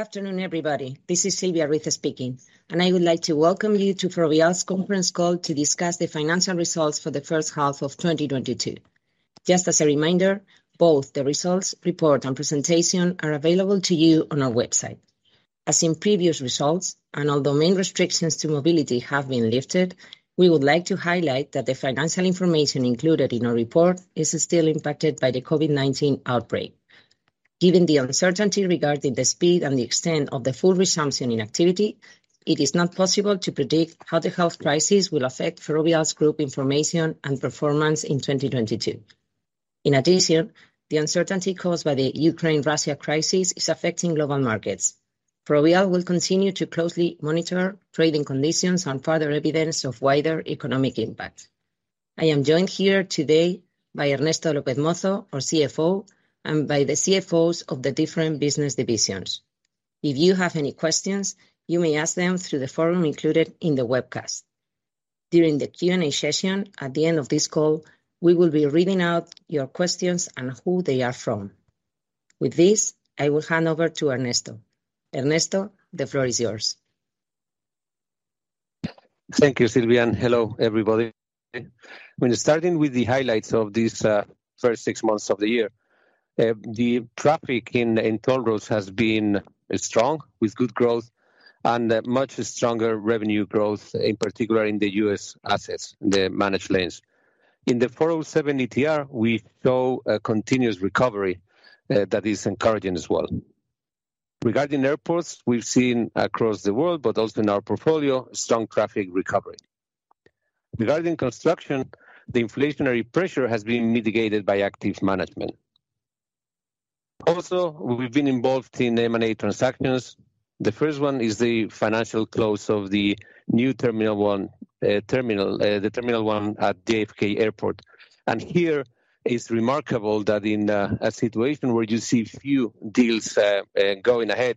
Good afternoon, everybody. This is Silvia Ruiz speaking, and I would like to welcome you to Ferrovial's conference call to discuss the financial results for the H1 of 2022. Just as a reminder, both the results report and presentation are available to you on our website. As in previous results, although main restrictions to mobility have been lifted, we would like to highlight that the financial information included in our report is still impacted by the COVID-19 outbreak. Given the uncertainty regarding the speed and the extent of the full resumption in activity, it is not possible to predict how the health crisis will affect Ferrovial's group information and performance in 2022. In addition, the uncertainty caused by the Ukraine-Russia crisis is affecting global markets. Ferrovial will continue to closely monitor trading conditions and further evidence of wider economic impact. I am joined here today by Ernesto López Mozo, our CFO, and by the CFOs of the different business divisions. If you have any questions, you may ask them through the forum included in the webcast. During the Q&A session at the end of this call, we will be reading out your questions and who they are from. With this, I will hand over to Ernesto. Ernesto, the floor is yours. Thank you, Silvia, and hello everybody. When starting with the highlights of these first six months of the year, the traffic in toll roads has been strong with good growth and much stronger revenue growth, in particular in the U.S. assets, the managed lanes. In the 407 ETR, we saw a continuous recovery that is encouraging as well. Regarding airports, we've seen across the world, but also in our portfolio, strong traffic recovery. Regarding construction, the inflationary pressure has been mitigated by active management. Also, we've been involved in M&A transactions. The first one is the financial close of the New Terminal One at JFK Airport. Here is remarkable that in a situation where you see few deals going ahead,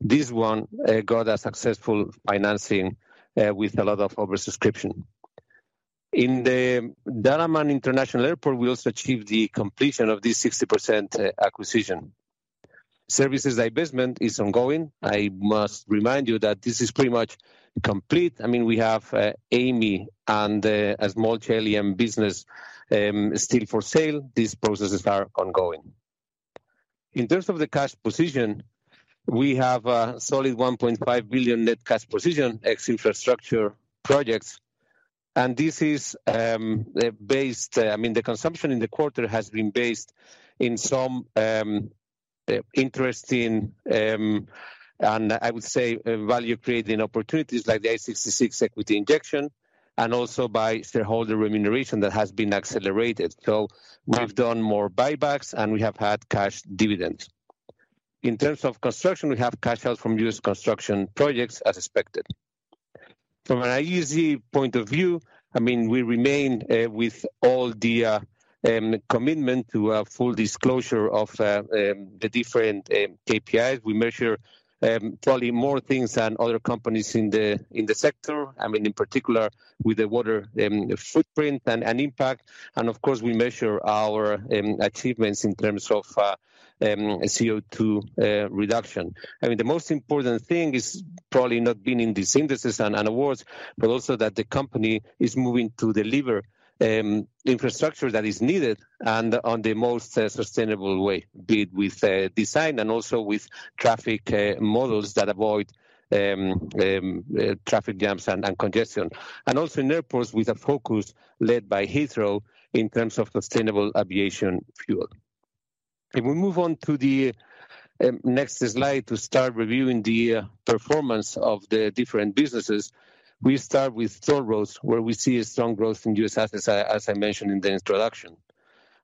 this one got a successful financing with a lot of oversubscription. In the Dar es Salaam International Airport, we also achieved the completion of the 60% acquisition. Services divestment is ongoing. I must remind you that this is pretty much complete. I mean, we have Amey and a small BLM business still for sale. These processes are ongoing. In terms of the cash position, we have a solid 1.5 billion net cash position, ex infrastructure projects. This is, I mean, the consumption in the quarter has been invested in some interesting and I would say value-creating opportunities like the I-66 equity injection and also by shareholder remuneration that has been accelerated. We've done more buybacks, and we have had cash dividends. In terms of construction, we have cash in from U.S. construction projects as expected. From an ESG point of view, I mean, we remain with all the commitment to a full disclosure of the different KPIs. We measure probably more things than other companies in the sector, I mean, in particular with the water footprint and impact. Of course, we measure our achievements in terms of CO2 reduction. I mean, the most important thing is probably not being in the indices and awards, but also that the company is moving to deliver infrastructure that is needed and in the most sustainable way, be it with design and also with traffic models that avoid traffic jams and congestion. Also in airports with a focus led by Heathrow in terms of sustainable aviation fuel. If we move on to the next slide to start reviewing the performance of the different businesses, we start with toll roads, where we see a strong growth in U.S. assets, as I mentioned in the introduction.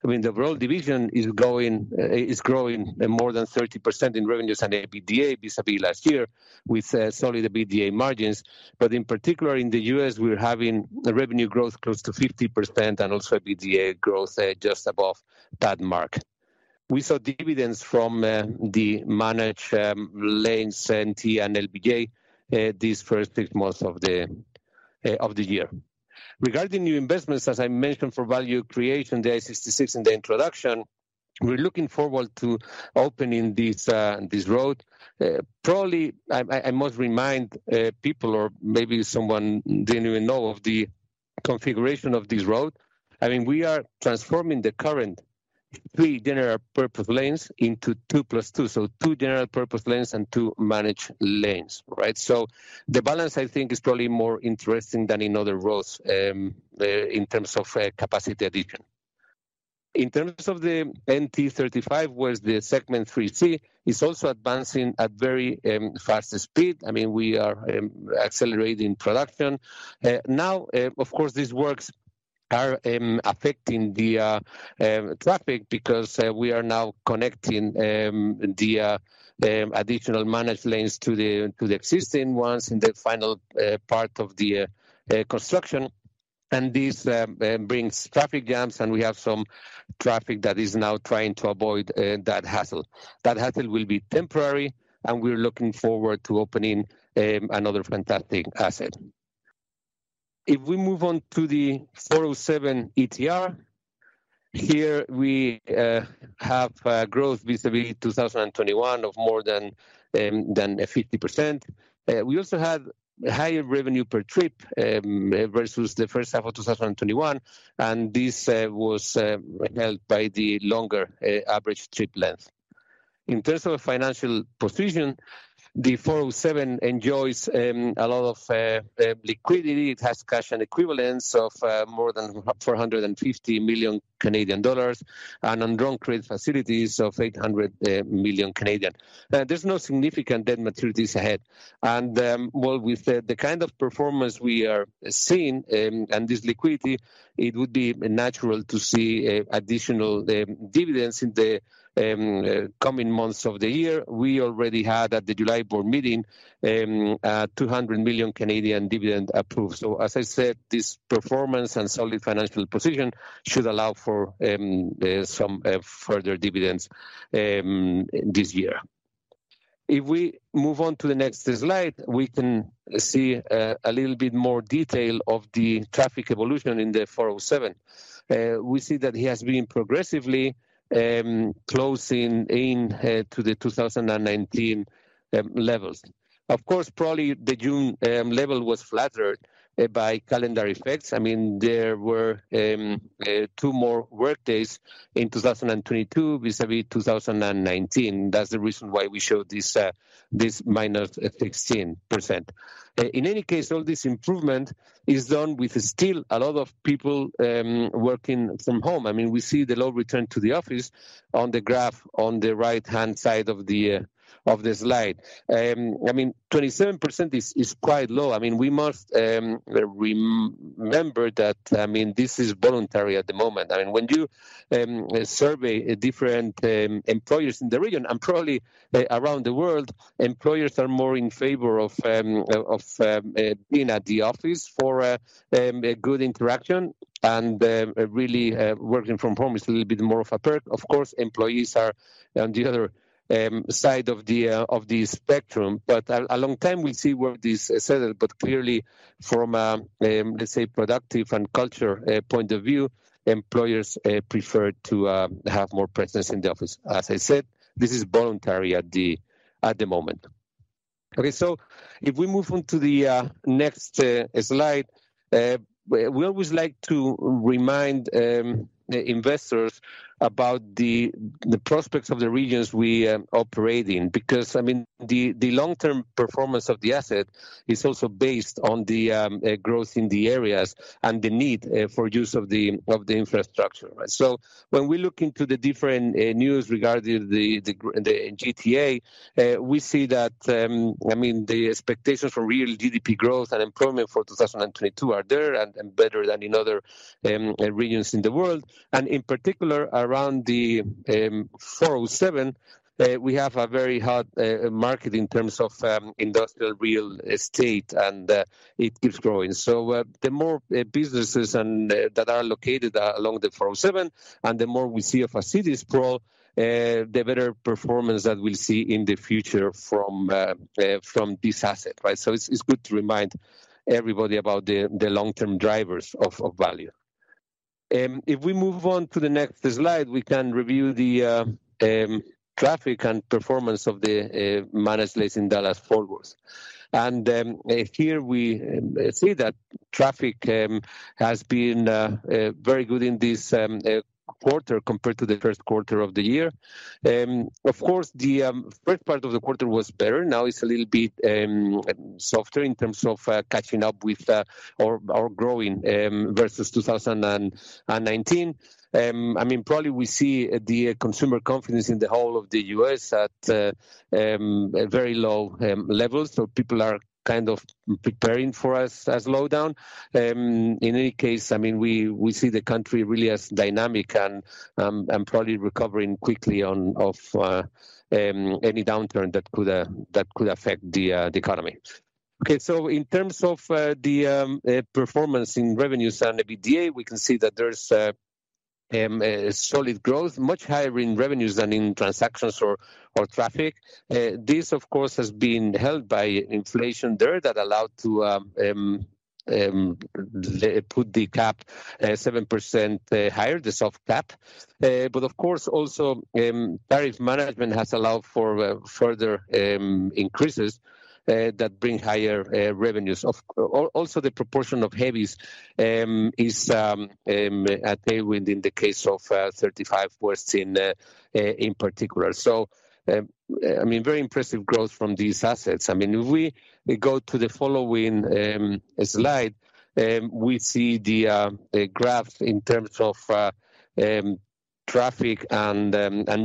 I mean, the road division is growing more than 30% in revenues and EBITDA vis-à-vis last year with solid EBITDA margins. In particular in the U.S., we're having a revenue growth close to 50% and also EBITDA growth just above that mark. We saw dividends from the managed lanes NTE and LBJ these first six months of the year. Regarding new investments, as I mentioned for value creation, the I-66 in the introduction, we're looking forward to opening this road. Probably I must remind people or maybe someone didn't even know of the configuration of this road. I mean, we are transforming the current three general purpose lanes into two plus two, so two general purpose lanes and two managed lanes, right? The balance I think is probably more interesting than in other roads in terms of capacity addition. In terms of the NTE 35, where Segment 3C is also advancing at very fast speed. I mean, we are accelerating production. Now, of course, these works are affecting the traffic because we are now connecting the additional managed lanes to the existing ones in the final part of the construction. This brings traffic jams, and we have some traffic that is now trying to avoid that hassle. That hassle will be temporary, and we're looking forward to opening another fantastic asset. If we move on to the 407 ETR, here we have growth vis-a-vis 2021 of more than 50%. We also had higher revenue per trip versus the H1 of 2021, and this was helped by the longer average trip length. In terms of financial position, the 407 enjoys a lot of liquidity. It has cash and equivalents of more than 450 million Canadian dollars and undrawn credit facilities of 800 million. There's no significant debt maturities ahead. With the kind of performance we are seeing and this liquidity, it would be natural to see additional dividends in the coming months of the year. We already had at the July board meeting 200 million dividend approved. As I said, this performance and solid financial position should allow for some further dividends this year. If we move on to the next slide, we can see a little bit more detail of the traffic evolution in the 407. We see that it has been progressively closing in to the 2019 levels. Of course, probably the June level was flattered by calendar effects. I mean, there were two more work days in 2022 vis-a-vis 2019. That's the reason why we showed this -16%. In any case, all this improvement is done with still a lot of people working from home. I mean, we see the low return to the office on the graph on the right-hand side of the slide. I mean, 27% is quite low. I mean, we must re-remember that this is voluntary at the moment. I mean, when you survey different employers in the region and probably around the world, employers are more in favor of being at the office for a good interaction. Really, working from home is a little bit more of a perk. Of course, employees are on the other side of the spectrum, but it'll take a long time to see where this settles. Clearly from, let's say, productivity and culture point of view, employers prefer to have more presence in the office. As I said, this is voluntary at the moment. Okay, so if we move on to the next slide. We always like to remind investors about the prospects of the regions we operate in, because, I mean, the long-term performance of the asset is also based on the growth in the areas and the need for use of the infrastructure, right? When we look into the different news regarding the GTA, we see that, I mean, the expectations for real GDP growth and employment for 2022 are there and better than in other regions in the world. In particular, around the 407, we have a very hard market in terms of industrial real estate, and it keeps growing. The more businesses that are located along the 407 and the more we see a facility sprawl, the better performance that we'll see in the future from this asset, right? It's good to remind everybody about the long-term drivers of value. If we move on to the next slide, we can review the traffic and performance of the managed lanes in Dallas-Fort Worth. Here we see that traffic has been very good in this quarter compared to the Q1 of the year. Of course, the first part of the quarter was better. Now it's a little bit softer in terms of catching up with or growing versus 2019. I mean, probably we see the consumer confidence in the whole of the U.S. at very low levels, so people are kind of preparing for a slowdown. In any case, I mean, we see the country really as dynamic and probably recovering quickly on. Of any downturn that could affect the economy. In terms of the performance in revenues and EBITDA, we can see that there's solid growth, much higher in revenues than in transactions or traffic. This of course has been helped by inflation there that allowed to put the cap 7% higher, the soft cap. But of course, also, tariff management has allowed for further increases that bring higher revenues. Also the proportion of heavies is a tailwind in the case of 35 we're seeing in particular. I mean, very impressive growth from these assets. I mean, if we go to the following slide, we see the graph in terms of traffic and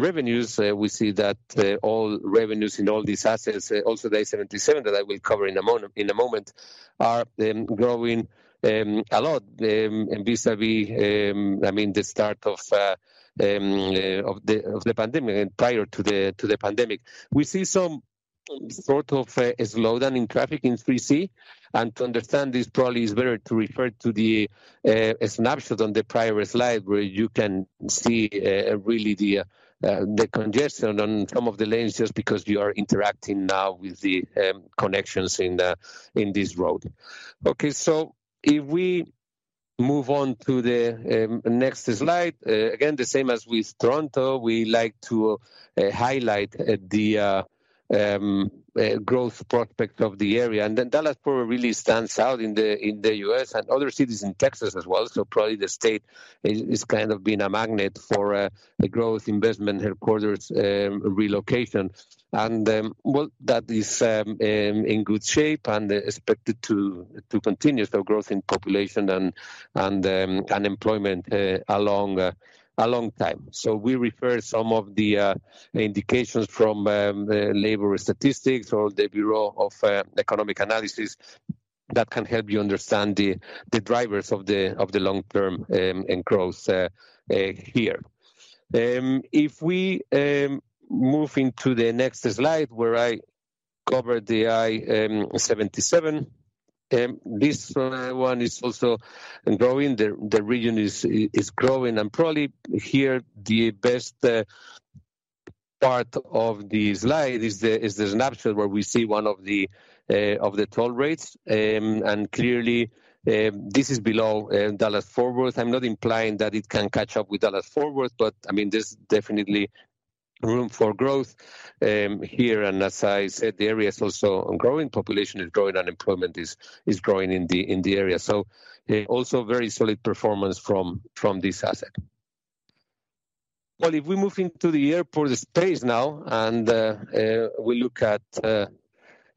revenues. We see that all revenues in all these assets, also the I-77 that I will cover in a moment, are growing a lot vis-a-vis the start of the pandemic and prior to the pandemic. We see some sort of a slowdown in traffic in 3C. To understand this probably is better to refer to the snapshot on the previous slide where you can see really the congestion on some of the lanes just because we are interacting now with the connections in this road. Okay, so if we move on to the next slide. Again, the same as with Toronto, we like to highlight the growth prospect of the area. Dallas probably really stands out in the U.S. and other cities in Texas as well. Probably the state is kind of been a magnet for the growth investment headquarters relocation. Well, that is in good shape and expected to continue. Growth in population and employment along a long time. We refer some of the indications from labor statistics or the Bureau of Economic Analysis that can help you understand the drivers of the long-term and growth here. If we move into the next slide where I cover the I-77, this one is also growing. The region is growing. Probably here the best part of the slide is the snapshot where we see one of the toll rates. Clearly, this is below Dallas-Fort Worth. I'm not implying that it can catch up with Dallas-Fort Worth, but I mean, there's definitely room for growth here. As I said, the area is also growing. Population is growing. Employment is growing in the area. Also very solid performance from this asset. Well, if we move into the airport space now and we look at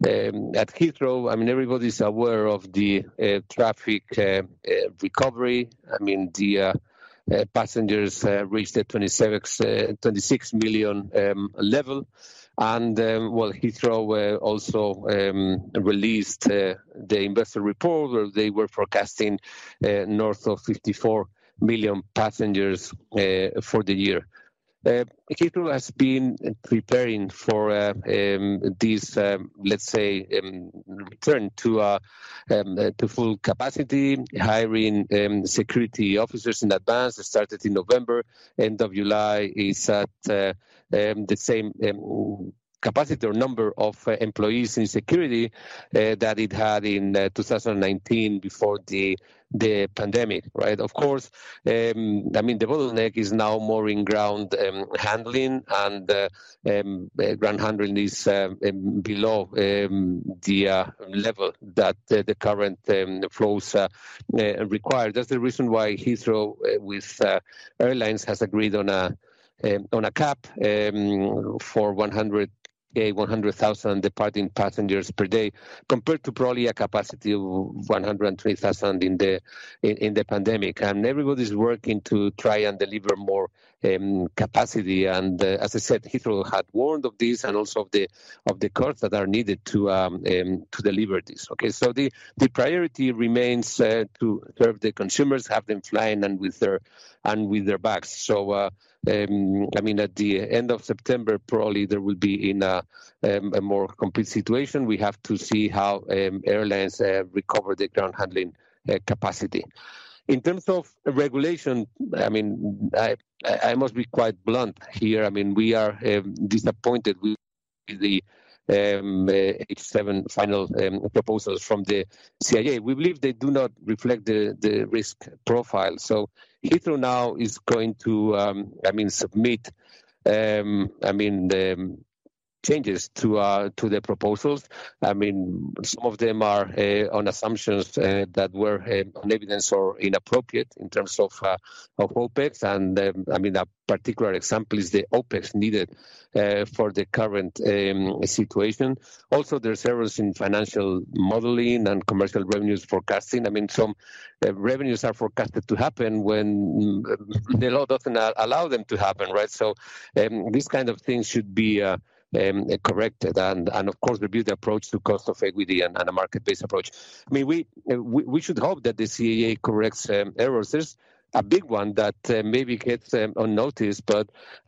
Heathrow, I mean, everybody's aware of the traffic recovery. I mean, the passengers reached a 26 million level. Well, Heathrow also released the investor report where they were forecasting north of 54 million passengers for the year. Heathrow has been preparing for this, let's say, return to full capacity, hiring security officers in advance. It started in November. End of July is at the same capacity or number of employees in security that it had in 2019 before the pandemic, right? Of course, I mean, the bottleneck is now more in ground handling, and ground handling is below the level that the current flows require. That's the reason why Heathrow with airlines has agreed on a cap for 100,000 departing passengers per day, compared to probably a capacity of 120,000 in the pandemic. Everybody's working to try and deliver more capacity. As I said, Heathrow had warned of this and also of the cuts that are needed to deliver this, okay? The priority remains to serve the consumers, have them flying and with their bags. I mean, at the end of September, probably there will be a more complete situation. We have to see how airlines recover their ground handling capacity. In terms of regulation, I mean, I must be quite blunt here. I mean, we are disappointed with the H7 final proposals from the CAA. We believe they do not reflect the risk profile. Heathrow now is going to submit changes to the proposals. I mean, some of them are on assumptions that were unevidenced or inappropriate in terms of OpEx. I mean, a particular example is the OpEx needed for the current situation. Also, there are errors in financial modeling and commercial revenues forecasting. I mean, some revenues are forecasted to happen when the law doesn't allow them to happen, right? These kind of things should be corrected and of course review the approach to cost of equity and a market-based approach. I mean, we should hope that the CAA corrects errors. There's a big one that maybe gets unnoticed.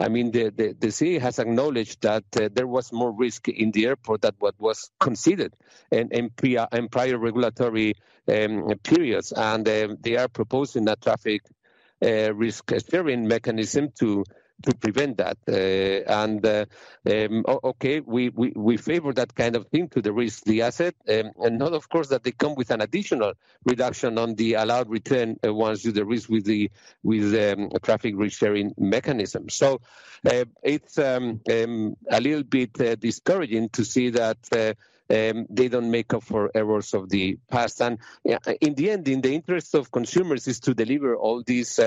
I mean, the CAA has acknowledged that there was more risk in the airport than what was considered in prior regulatory periods. They are proposing a traffic risk-sharing mechanism to prevent that. Okay, we favor that kind of thing to the risk, the asset. And not of course that they come with an additional reduction on the allowed return once you do the risk with the traffic risk-sharing mechanism. It's a little bit discouraging to see that they don't make up for errors of the past. You know, in the end, in the interest of consumers is to deliver all these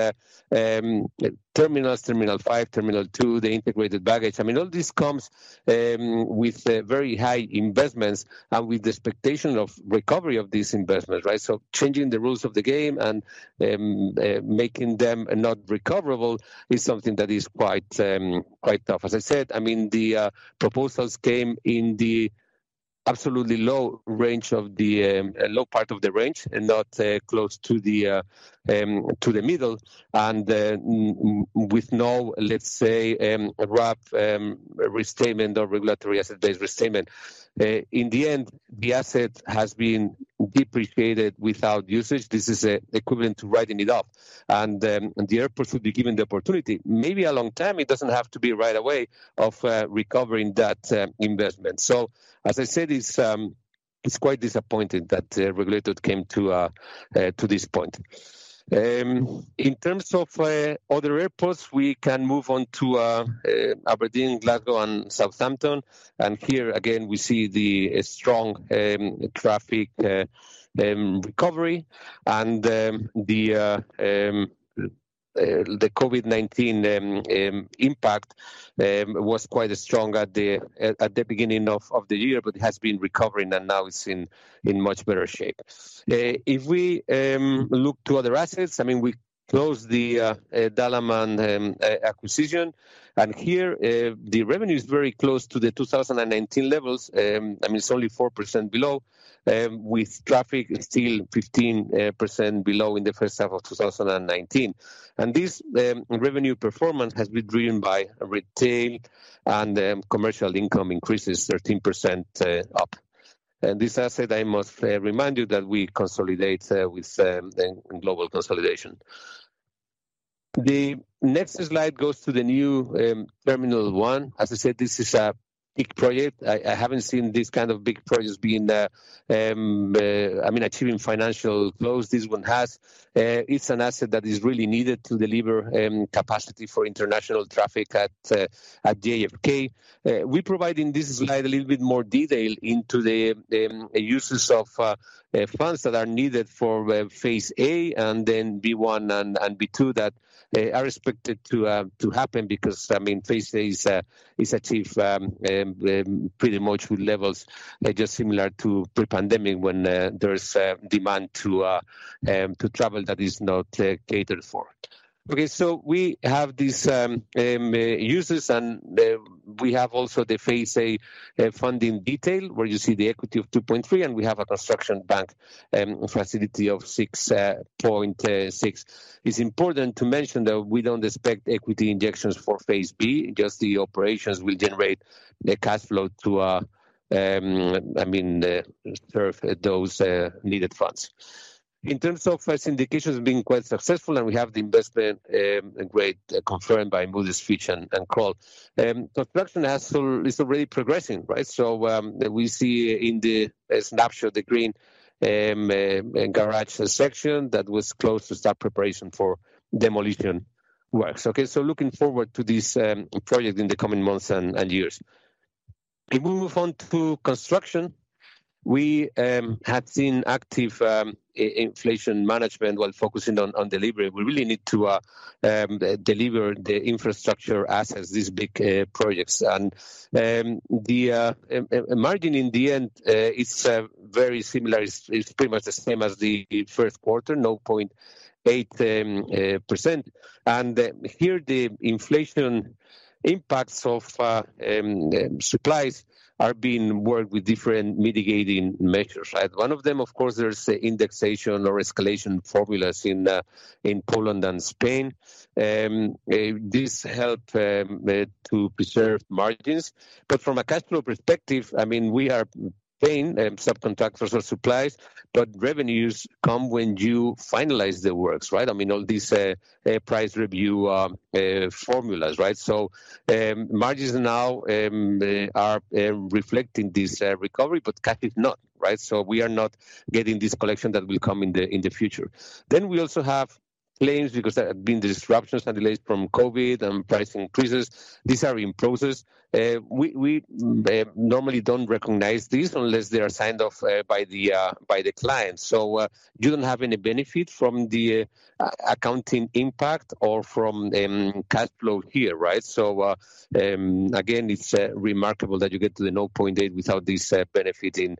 terminals, Terminal five, Terminal two, the integrated baggage. I mean, all this comes with very high investments and with the expectation of recovery of these investments, right? Changing the rules of the game and making them not recoverable is something that is quite tough. As I said, I mean, the proposals came in the absolutely low range of the low part of the range and not close to the middle and with no, let's say, RAB restatement or regulatory asset base restatement. In the end, the asset has been depreciated without usage. This is equivalent to writing it off. The airport should be given the opportunity, maybe a long time, it doesn't have to be right away, of recovering that investment. As I said, it's quite disappointing that the regulator came to this point. In terms of other airports, we can move on to Aberdeen, Glasgow, and Southampton. Here again, we see the strong traffic recovery and the COVID-19 impact was quite strong at the beginning of the year, but it has been recovering, and now it's in much better shape. If we look to other assets, I mean, we closed the Dalaman acquisition, and here the revenue is very close to the 2019 levels. I mean, it's only 4% below, with traffic still 15% below in the H1 of 2019. This revenue performance has been driven by retail and commercial income increases 13% up. This asset, I must remind you that we consolidate with the global consolidation. The next slide goes to the New Terminal One. As I said, this is a big project. I haven't seen this kind of big projects achieving financial close this one has. It's an asset that is really needed to deliver capacity for international traffic at JFK. We provide in this slide a little bit more detail into the uses of funds that are needed for phase A and then B1 and B2 that are expected to happen because, I mean, phase A is achieved pretty much with levels that are similar to pre-pandemic when there is demand to travel that is not catered for. We have these uses, and we have also the phase A funding detail, where you see the equity of 2.3, and we have a construction bank facility of 6.6. It's important to mention that we don't expect equity injections for phase B, just the operations will generate the cash flow to I mean serve those needed funds. In terms of phase indications being quite successful, and we have the investment grade confirmed by Moody's, Fitch, and Kroll. Construction is already progressing, right? We see in the snapshot the green garage section that was closed to start preparation for demolition works. Okay, looking forward to this project in the coming months and years. If we move on to construction, we have seen active inflation management while focusing on delivery. We really need to deliver the infrastructure assets, these big projects. The margin in the end is very similar. It's pretty much the same as the Q1, 0.8%. Here the inflation impacts of supplies are being worked with different mitigating measures, right? One of them, of course, there's indexation or escalation formulas in Poland and Spain. This helps to preserve margins. From a cash flow perspective, I mean, we are paying subcontractors or suppliers, but revenues come when you finalize the works, right? I mean, all these price review formulas, right? Margins now are reflecting this recovery, but cash is not, right? We are not getting this collection that will come in the future. We also have claims because there have been disruptions and delays from COVID and price increases. These are in process. We normally don't recognize these unless they are signed off by the client. You don't have any benefit from the accounting impact or from cash flow here, right? Again, it's remarkable that you get to the 0.8% without this benefit in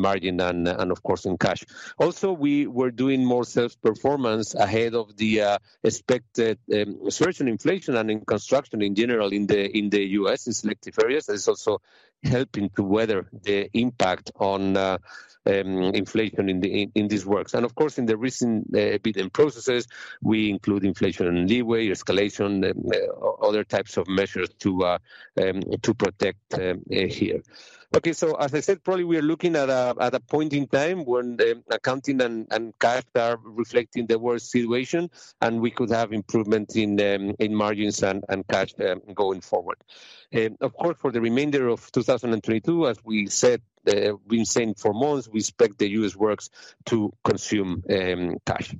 margin and of course in cash. Also, we were doing more sales performance ahead of the expected surge in inflation and in construction in general in the U.S. in selective areas. That's also helping to weather the impact on inflation in these works. Of course, in the recent EBITDA processes, we include inflation leeway, escalation, other types of measures to protect here. Okay, as I said, probably we are looking at a point in time when the accounting and cash are reflecting the worst situation, and we could have improvement in margins and cash going forward. Of course, for the remainder of 2022, as we said, we've been saying for months, we expect the U.S. works to consume cash.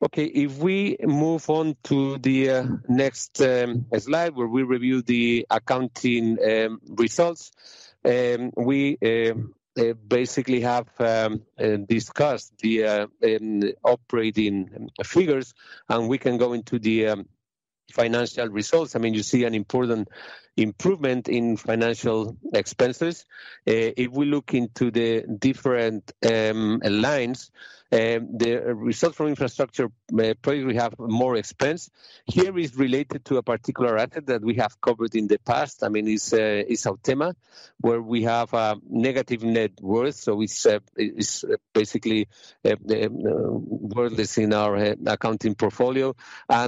Okay, if we move on to the next slide, where we review the accounting results, we basically have discussed the operating figures, and we can go into the financial results. I mean, you see an important improvement in financial expenses. If we look into the different lines, the results from infrastructure projects will have more expense. Here it's related to a particular asset that we have covered in the past. I mean, it's Autema, where we have a negative net worth. It's basically worth less in our accounting portfolio.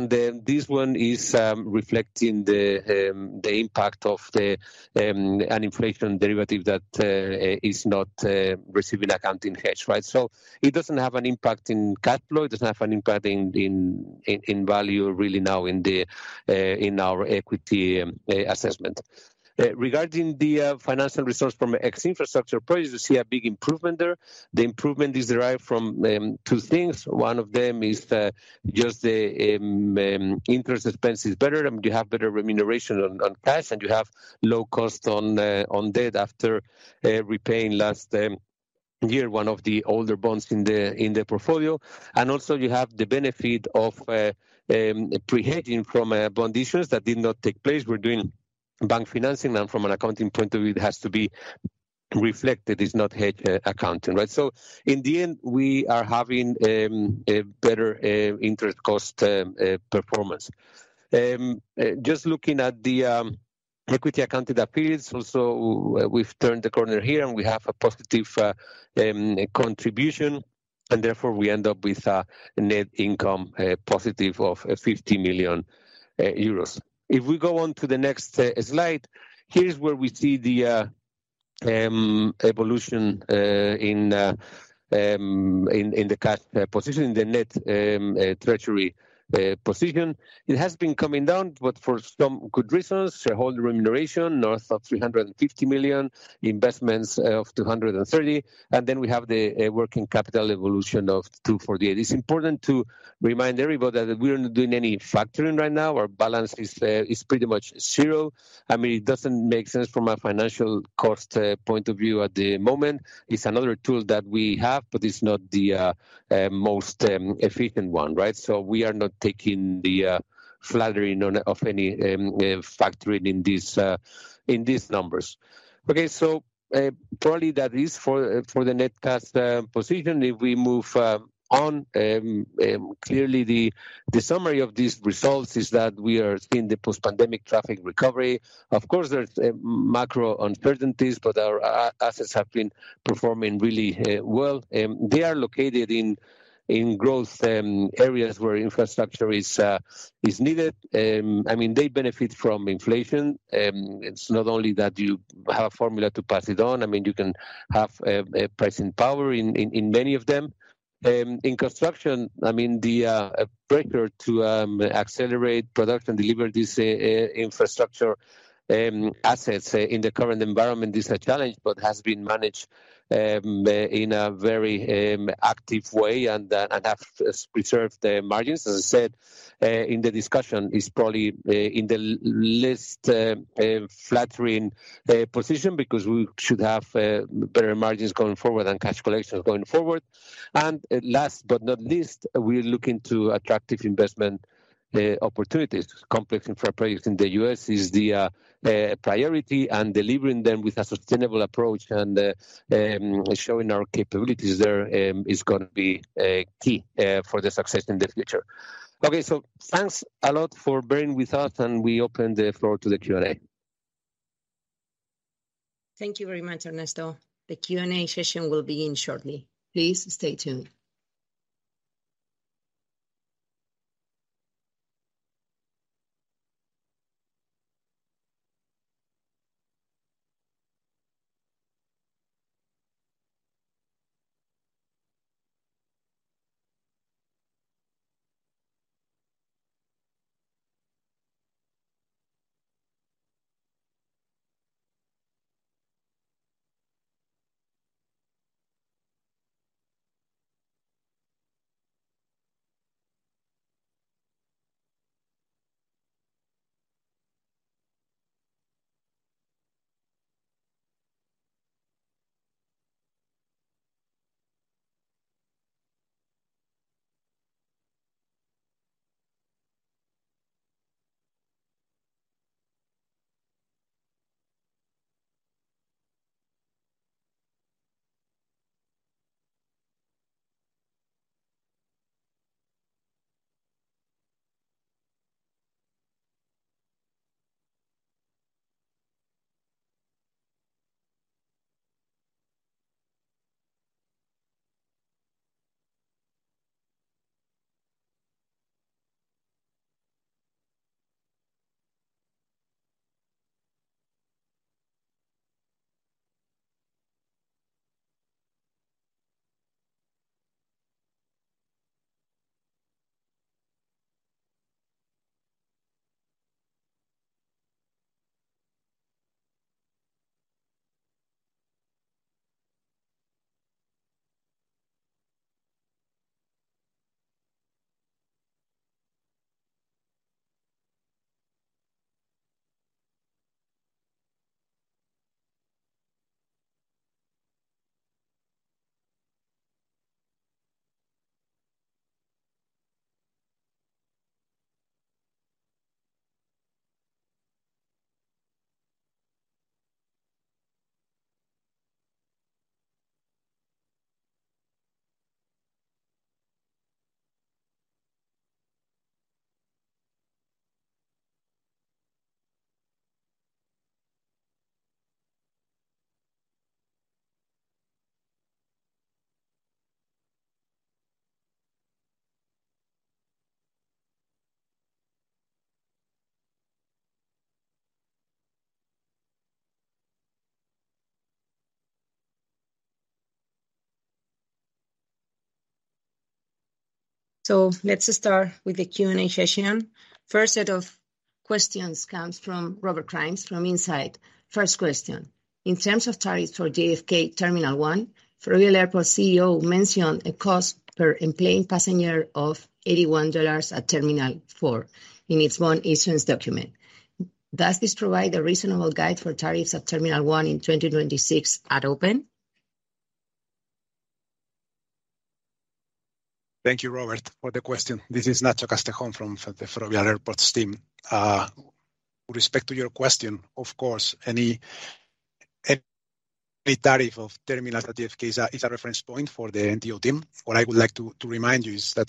This one is reflecting the impact of an inflation derivative that is not receiving accounting hedge, right? It doesn't have an impact in cash flow. It doesn't have an impact in value really now in our equity assessment. Regarding the financial results from ex-infrastructure projects, you see a big improvement there. The improvement is derived from two things. One of them is just the interest expense is better. You have better remuneration on cash, and you have low cost on debt after repaying last year one of the older bonds in the portfolio. You have the benefit of pre-hedging from bond issues that did not take place. We're doing bank financing, and from an accounting point of view, it has to be reflected. It's not hedge accounting, right? In the end, we are having a better interest cost performance. Just looking at the equity-accounted investees also, we've turned the corner here, and we have a positive contribution, and therefore we end up with net income positive of 50 million euros. If we go on to the next slide, here's where we see the evolution in the cash position, the net treasury position. It has been coming down, but for some good reasons. Shareholder remuneration north of 350 million, investments of 230, and then we have the working capital evolution of 248. It's important to remind everybody that we're not doing any factoring right now. Our balance is pretty much zero. I mean, it doesn't make sense from a financial cost point of view at the moment. It's another tool that we have, but it's not the most efficient one, right? So we are not taking advantage of any factoring in these numbers. Okay. Probably that is for the net cash position. If we move on, clearly the summary of these results is that we are seeing the post-pandemic traffic recovery. Of course, there's macro uncertainties, but our assets have been performing really well. They are located in growth areas where infrastructure is needed. I mean, they benefit from inflation. It's not only that you have a formula to pass it on. I mean, you can have a pricing power in many of them. In construction, I mean, the key to accelerate production delivery is infrastructure assets in the current environment is a challenge, but has been managed in a very active way and have preserved the margins. As I said, in the discussion, it's probably in the least flattering position because we should have better margins going forward and cash collections going forward. Last but not least, we're looking at attractive investment opportunities. Complex infra projects in the U.S. is the priority, and delivering them with a sustainable approach and showing our capabilities there is gonna be key for the success in the future. Okay. Thanks a lot for bearing with us, and we open the floor to the Q&A. Thank you very much, Ernesto. The Q&A session will begin shortly. Please stay tuned. Let's start with the Q&A session. First set of questions comes from Robert Grimes from Insight. First question: In terms of tariffs for JFK Terminal one, Ferrovial Airports CEO mentioned a cost per enplaned passenger of $81 at Terminal four in its 144A issuance document. Does this provide a reasonable guide for tariffs at Terminal one in 2026 at open? Thank you, Robert, for the question. This is Ignacio Castejón from the Ferrovial Airports team. With respect to your question, of course, any tariff or terminal at JFK is a reference point for the NTO team. What I would like to remind you is that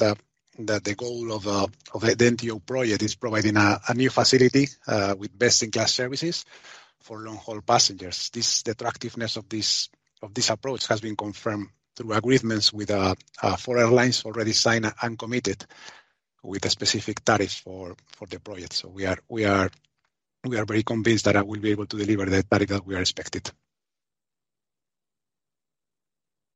the goal of the NTO project is providing a new facility with best-in-class services for long-haul passengers. The attractiveness of this approach has been confirmed through agreements with four airlines already signed and committed with a specific tariff for the project. We are very convinced that we'll be able to deliver the tariff that we are expected.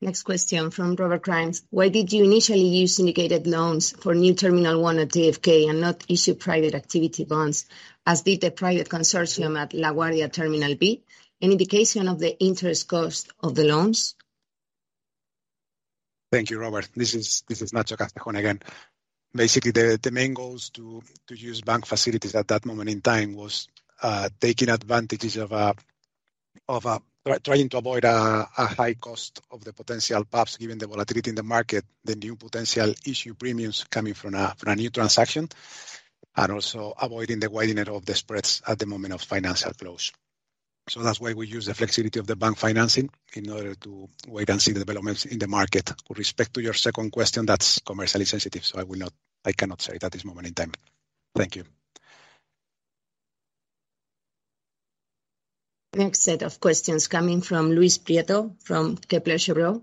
Next question from Robert Grimes: Why did you initially use syndicated loans for New Terminal One at JFK and not issue Private Activity Bonds, as did the private consortium at LaGuardia Terminal B? Any indication of the interest cost of the loans? Thank you, Robert. This is Ignacio Castejón again. Basically, the main goals to use bank facilities at that moment in time was taking advantages of trying to avoid a high cost of the potential, perhaps given the volatility in the market, the new potential issue premiums coming from a new transaction, and also avoiding the widening of the spreads at the moment of financial close. That's why we use the flexibility of the bank financing, in order to wait and see the developments in the market. With respect to your second question, that's commercially sensitive, so I cannot say at this moment in time. Thank you. Next set of questions coming from Luis Prieto from Kepler Cheuvreux.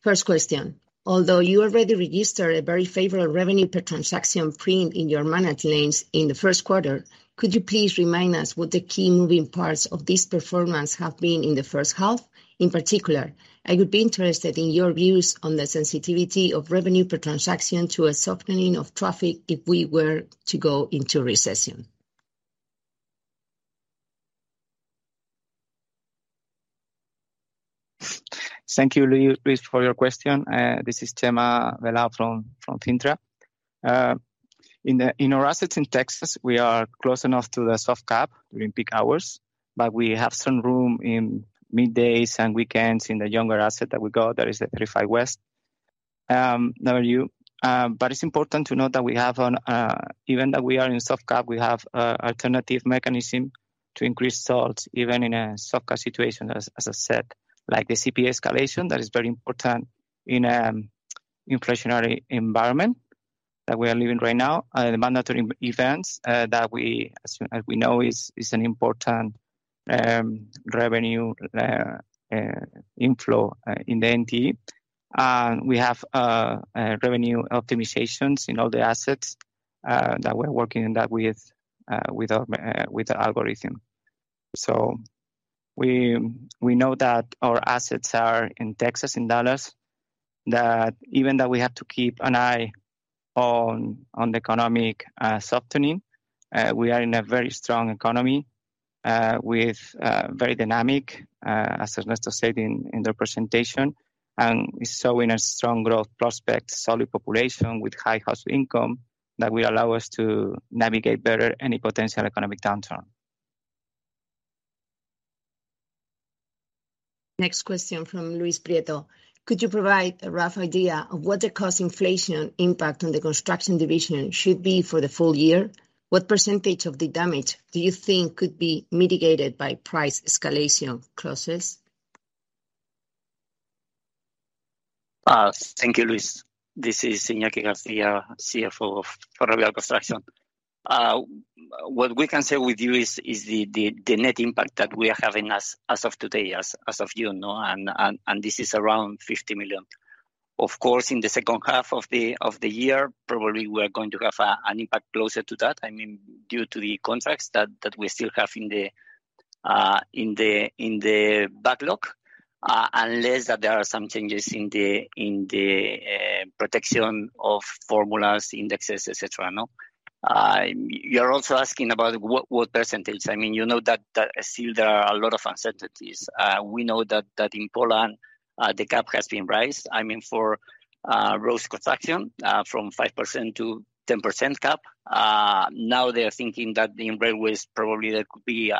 First question: Although you already registered a very favorable revenue per transaction frame in your managed lanes in the Q1, could you please remind us what the key moving parts of this performance have been in the H1? In particular, I would be interested in your views on the sensitivity of revenue per transaction to a softening of traffic if we were to go into recession. Thank you, Luis, for your question. This is José María Velao from Cintra. In our assets in Texas, we are close enough to the soft cap during peak hours, but we have some room in middays and weekends in the younger asset that we got. That is the NTE 35W. But it's important to note that we have an alternative mechanism to increase tolls even in a soft cap situation, as I said, like the CPI escalation that is very important in inflationary environment that we are living right now. The mandatory mode events that we, as we know, are an important revenue inflow in the NTE. We have revenue optimizations in all the assets that we're working on that with the algorithm. We know that our assets are in Texas, in Dallas, that even though we have to keep an eye on the economic softening, we are in a very strong economy with very dynamic, as Ernesto said in the presentation. We're seeing a strong growth prospect, solid population with high household income that will allow us to navigate better any potential economic downturn. Next question from Luis Prieto. Could you provide a rough idea of what the cost inflation impact on the construction division should be for the full year? What percentage of the damage do you think could be mitigated by price escalation clauses? Thank you, Luis. This is Ignacio García, CFO of Ferrovial Construction. What we can say to you is the net impact that we are having as of today, as you know, and this is around 50 million. Of course, in the H2 of the year, probably we are going to have an impact closer to that. I mean, due to the contracts that we still have in the backlog, unless there are some changes in the protection of formulas, indexes, et cetera, no. You're also asking about what percentage. I mean, you know that still there are a lot of uncertainties. We know that in Poland, the cap has been raised, I mean, for road construction from 5% to 10% cap. Now they are thinking that in railways, probably there could be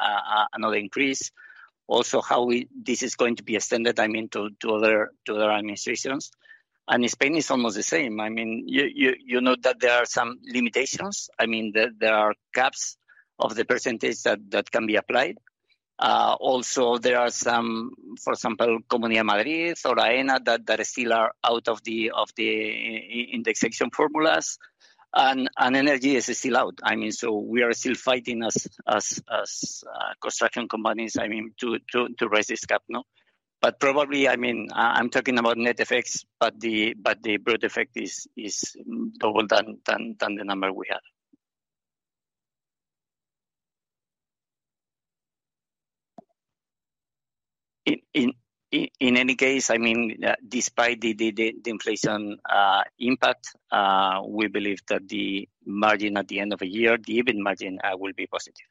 another increase. Also, this is going to be extended, I mean, to other administrations. In Spain, it's almost the same. I mean, you know that there are some limitations. I mean, there are caps of the percentage that can be applied. Also there are some, for example, Comunidad de Madrid or Aena that still are out of the indexation formulas. Energy is still out. I mean, we are still fighting as construction companies, I mean, to raise this cap, no. Probably, I mean, I'm talking about net effects, but the broad effect is double than the number we have. In any case, I mean, despite the inflation impact, we believe that the margin at the end of the year, the EBIT margin, will be positive.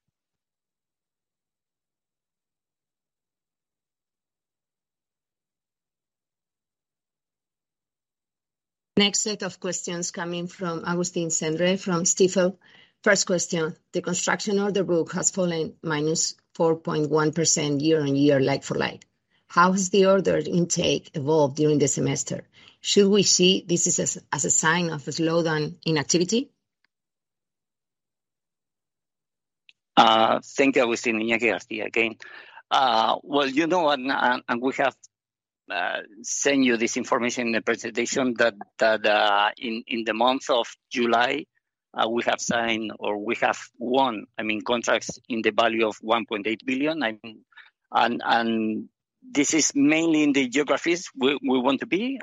Next set of questions coming from Augustin Cendre from Stifel. First question: The construction order book has fallen -4.1% year-on-year like-for-like. How has the order intake evolved during the semester? Should we see this as a sign of a slowdown in activity? Thank you, Augustin, Ignacio Garcia again. We have sent you this information in the presentation that in the month of July we have signed or we have won, I mean, contracts in the value of 1.8 billion. I mean, this is mainly in the geographies we want to be.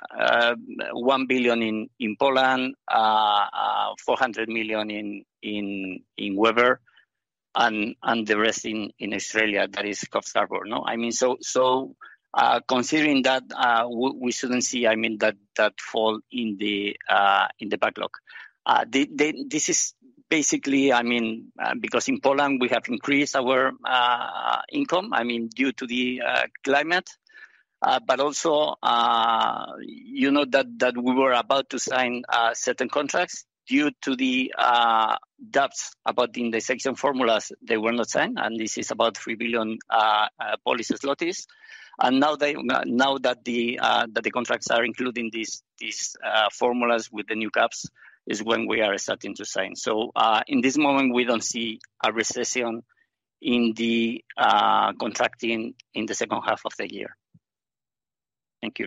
one billion in Poland, 400 million in Webber and the rest in Australia, that is Coffs Harbour. Considering that, we shouldn't see that fall in the backlog. This is basically, I mean, because in Poland we have increased our income due to the climate. you know that we were about to sign certain contracts due to the doubts about the indexation formulas, they were not signed, and this is about three billion. Now that the contracts are including these formulas with the new caps, is when we are starting to sign. In this moment, we don't see a recession in the contracting in the H2 of the year. Thank you.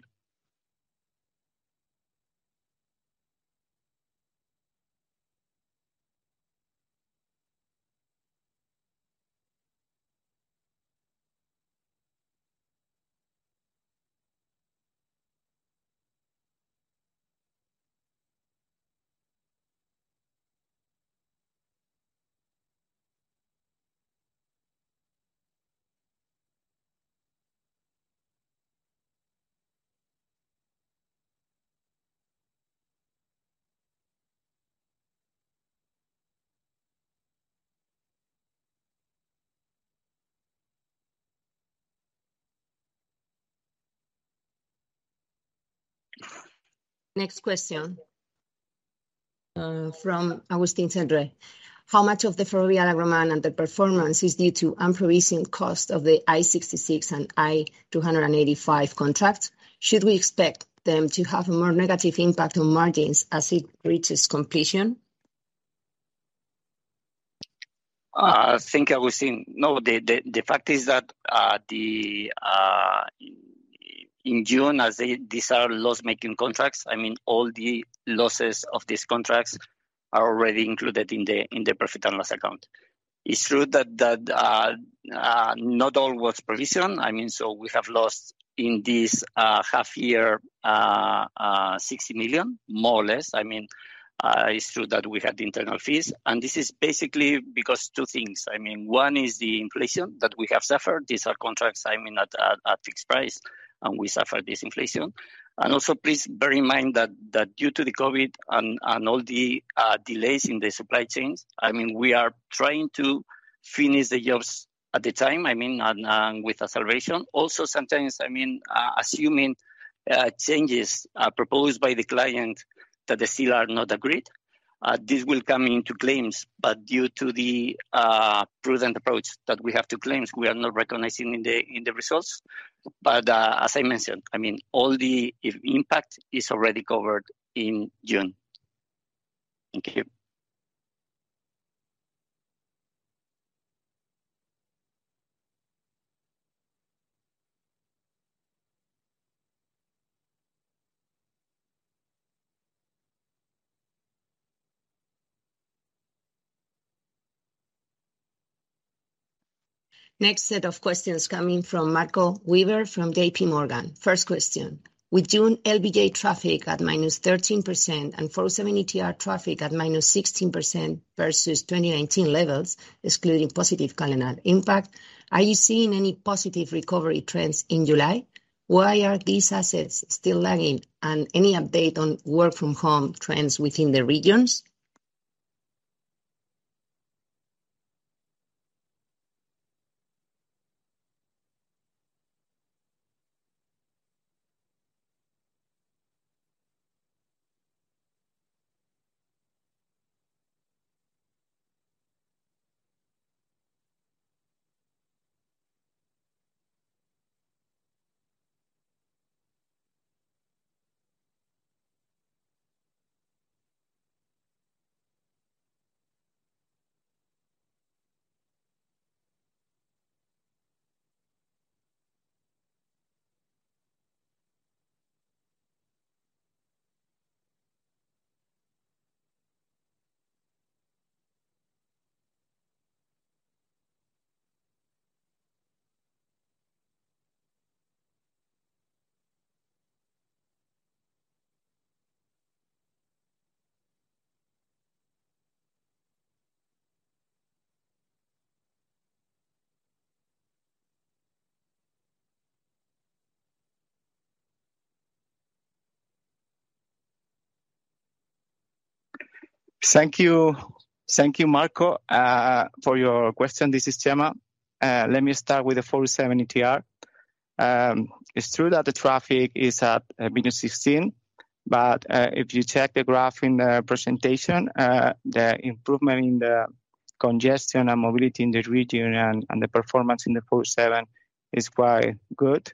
Next question, from Augustin Cendre. How much of the Ferrovial Agroman underperformance is due to unprovisioned cost of the I-66 and I-285 contracts? Should we expect them to have a more negative impact on margins as it reaches completion? Thank you, Augustin. No, the fact is that these are loss-making contracts. I mean, all the losses of these contracts are already included in the profit and loss account. It's true that not all was provision. I mean, so we have lost in this half year 60 million, more or less. I mean, it's true that we had internal fees, and this is basically because two things. I mean, one is the inflation that we have suffered. These are contracts, I mean, at fixed price, and we suffered this inflation. Also, please bear in mind that due to the COVID and all the delays in the supply chains, I mean, we are trying to finish the jobs at the time, I mean, and with acceleration. Also sometimes, I mean, assuming changes proposed by the client that they still are not agreed, this will come into claims. Due to the prudent approach that we have to claims, we are not recognizing in the results. As I mentioned, I mean, all the impact is already covered in June. Thank you. Next set of questions coming from Marco Weaver from JPMorgan. First question: With June LBJ traffic at -13% and 407 ETR traffic at -16% versus 2019 levels, excluding positive calendar impact, are you seeing any positive recovery trends in July? Why are these assets still lagging? And any update on work from home trends within the regions? Thank you. Thank you, Marco, for your question. This is Gemma. Let me start with the 407 ETR. It's true that the traffic is at -16%. If you check the graph in the presentation, the improvement in the congestion and mobility in the region and the performance in the 407 is quite good.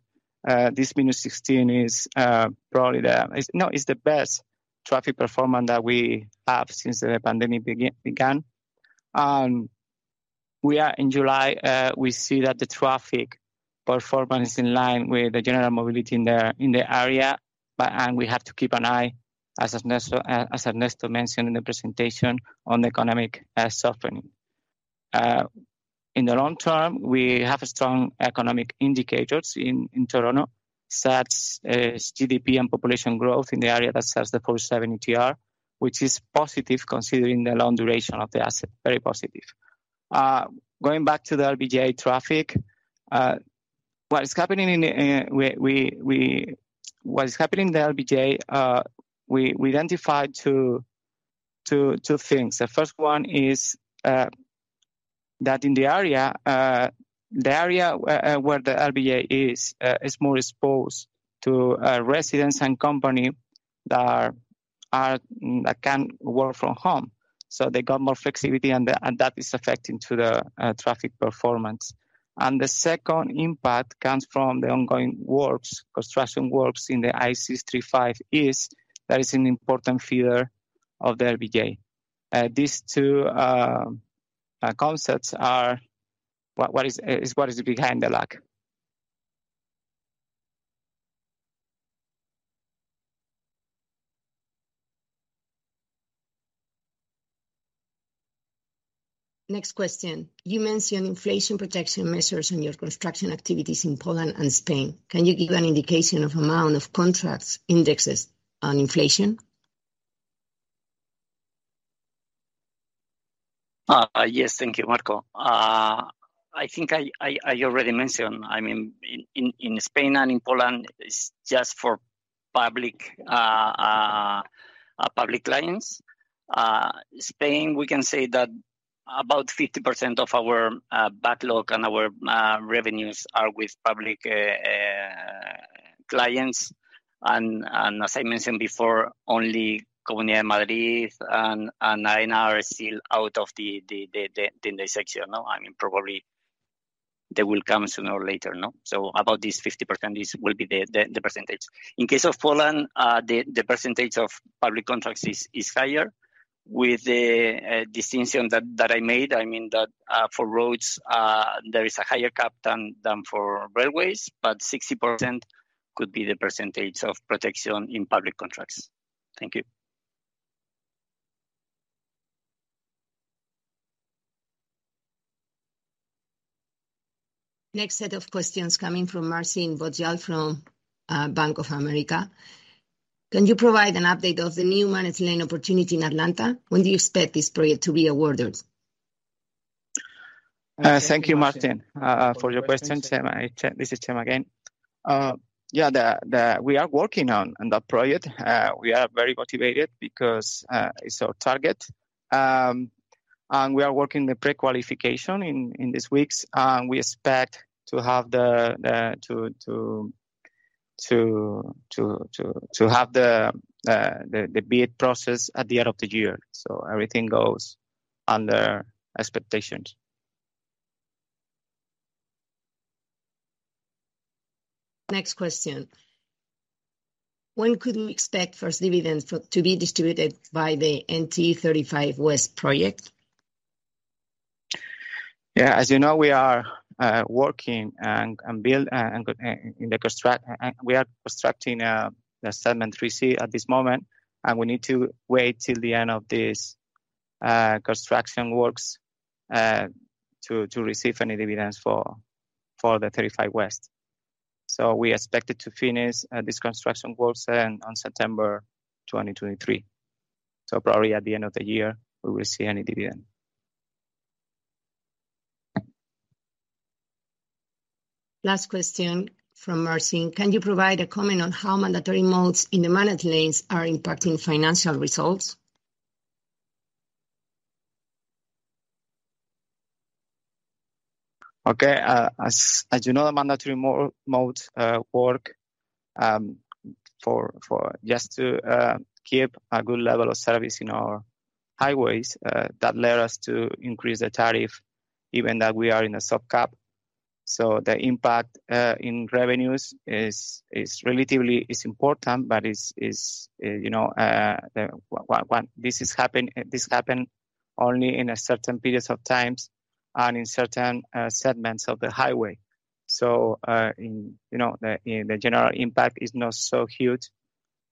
This month it's the best traffic performance that we have since the pandemic began. We are in July. We see that the traffic performance is in line with the general mobility in the area, but we have to keep an eye, as Ernesto mentioned in the presentation, on the economic softening. In the long term, we have strong economic indicators in Toronto, such as GDP and population growth in the area that has the 407 ETR, which is positive considering the long duration of the asset, very positive. Going back to the LBJ traffic, what is happening in the LBJ, we identified two things. The first one is that in the area where the LBJ is is more exposed to residents and companies that can work from home, so they got more flexibility and that is affecting the traffic performance. The second impact comes from the ongoing works, construction works in the I-635 East. That is an important feeder of the LBJ. These two concepts are what is behind the lag. Next question. You mentioned inflation protection measures on your construction activities in Poland and Spain. Can you give an indication of amount of contracts indexed on inflation? Yes. Thank you, Marco. I think I already mentioned, I mean, in Spain and in Poland is just for public clients. Spain, we can say that about 50% of our backlog and our revenues are with public clients. As I mentioned before, only Comunidad de Madrid and Aena are still out of the section, no? I mean, probably they will come sooner or later, no? About this 50% will be the percentage. In case of Poland, the percentage of public contracts is higher with the distinction that I made. I mean that for roads there is a higher cap than for railways, but 60% could be the percentage of protection in public contracts. Thank you. Next set of questions coming from Marcin Wojtal from Bank of America. Can you provide an update of the new managed lane opportunity in Atlanta? When do you expect this project to be awarded? Thank you, Marcin, for your question. Chema. This is Chema again. Yeah, we are working on that project. We are very motivated because it's our target. We are working on the prequalification in these weeks. We expect to have the bid process at the end of the year. Everything goes under expectations. Next question. When could we expect first dividends to be distributed by the NTE 35W project? Yeah, as you know, we are constructing the Segment 3C at this moment, and we need to wait till the end of this construction works to receive any dividends for the 35W. We are expected to finish this construction works on September 2023. Probably at the end of the year we will see any dividend. Last question from Marcin. Can you provide a comment on how mandatory mode in the Managed Lanes are impacting financial results? Okay. As you know, the mandatory mode, just to keep a good level of service in our highways, that led us to increase the tariff even though we are in a soft cap. The impact in revenues is relatively important, but is relatively important, you know, one, this happens only in certain periods of time and in certain segments of the highway. In general, the impact is not so huge,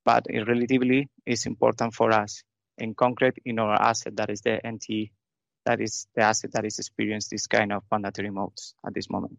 but it relatively is important for us in particular in our asset that is the NTE, that is the asset that is experienced this kind of mandatory mode at this moment.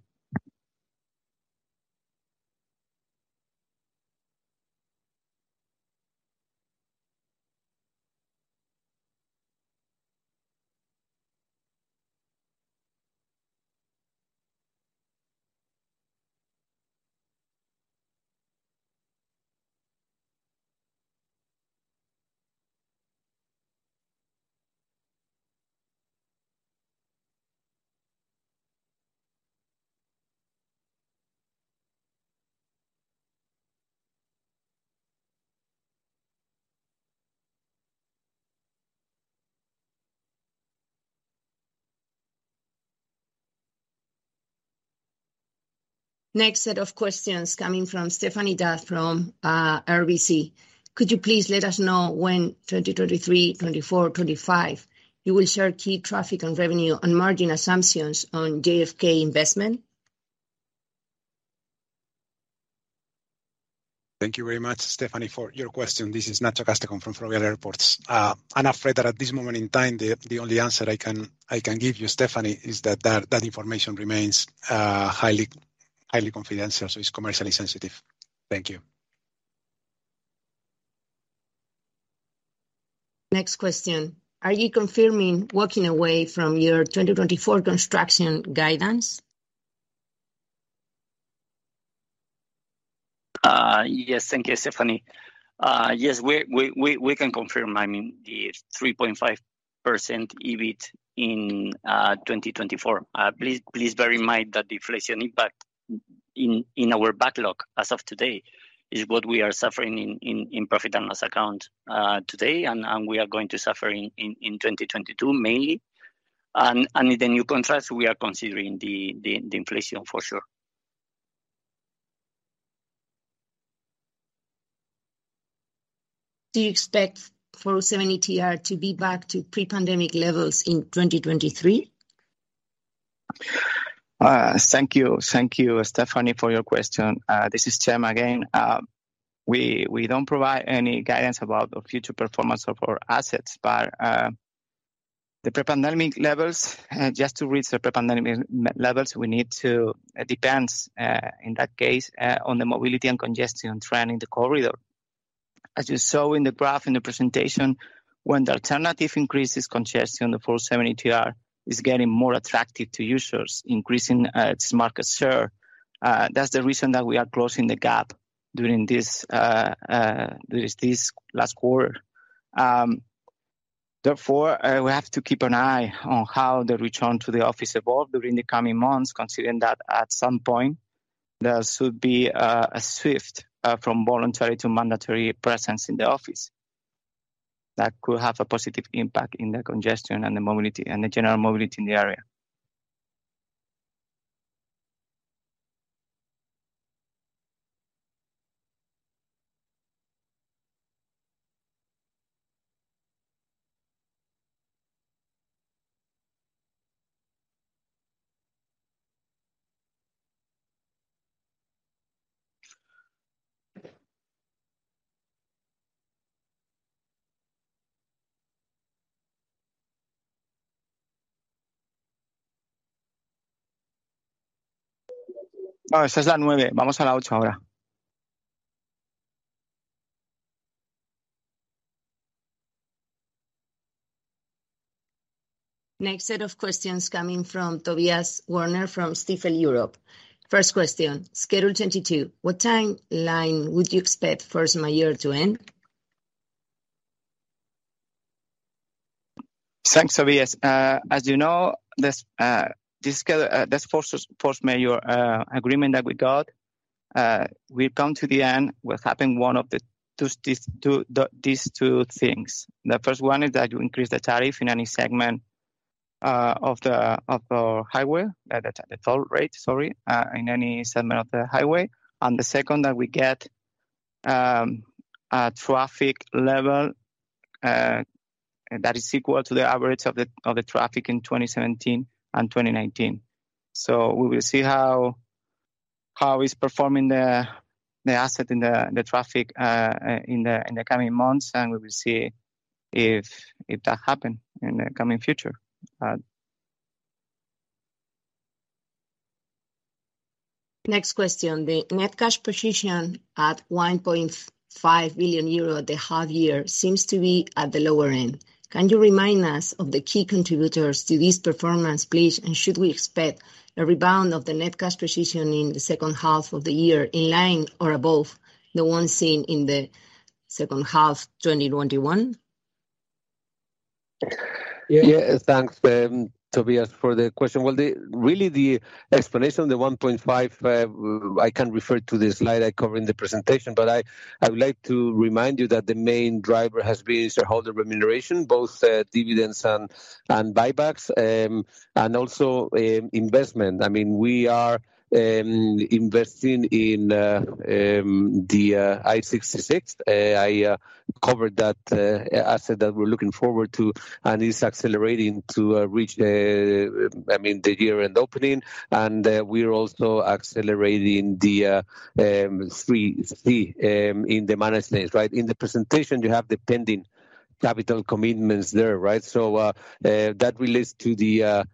Next set of questions coming from Stéphanie D'Ath from RBC. Could you please let us know when 2023, 2024, 2025, you will share key traffic and revenue and margin assumptions on JFK investment? Thank you very much, Stephanie, for your question. This is Ignacio Castejón from Ferrovial Airports. I'm afraid that at this moment in time, the only answer I can give you, Stephanie, is that information remains highly confidential, so it's commercially sensitive. Thank you. Next question. Are you confirming walking away from your 2024 construction guidance? Yes. Thank you, Stéphanie. Yes, we can confirm, I mean, the 3.5% EBIT in 2024. Please bear in mind that the inflation impact in our backlog as of today is what we are suffering in profit and loss account today and we are going to suffer in 2022 mainly. In the new contracts, we are considering the inflation for sure. Do you expect 407 ETR to be back to pre-pandemic levels in 2023? Thank you. Thank you, Stéphanie, for your question. This is Chema again. We don't provide any guidance about the future performance of our assets. The pre-pandemic levels. Just to reach the pre-pandemic levels, it depends in that case on the mobility and congestion trend in the corridor. As you saw in the graph in the presentation, when the alternative increases congestion, the 407 ETR is getting more attractive to users, increasing its market share. That's the reason that we are closing the gap during this last quarter. Therefore, we have to keep an eye on how the return to the office evolve during the coming months, considering that at some point there should be a shift from voluntary to mandatory presence in the office. That could have a positive impact in the congestion and the mobility and the general mobility in the area. No, esta es la. Vamos a la ahora. Next set of questions coming from Tobias Woerner from Stifel Europe. First question: Schedule 22, what timeline would you expect force majeure to end? Thanks, Tobias. As you know, this first major agreement that we got will come to the end with having one of these two things. The first one is that you increase the tariff in any segment of the highway, the toll rate, sorry, in any segment of the highway. The second, that we get a traffic level that is equal to the average of the traffic in 2017 and 2019. We will see how the asset and the traffic are performing in the coming months, and we will see if that happen in the coming future. Next question. The net cash position at 1.5 billion euro at the half year seems to be at the lower end. Can you remind us of the key contributors to this performance, please? Should we expect a rebound of the net cash position in the H2 of the year in line or above the one seen in the H2 2021? Yeah. Yeah, thanks, Tobias, for the question. Well, really the explanation, the 1.5, I can refer to the slide I covered in the presentation, but I would like to remind you that the main driver has been shareholder remuneration, both dividends and buybacks, and also investment. I mean, we are investing in the I-66. I covered that asset that we're looking forward to, and it's accelerating to reach the, I mean, the year-end opening, and we're also accelerating the CapEx in the managed lanes, right? In the presentation, you have the pending capital commitments there, right? That relates to the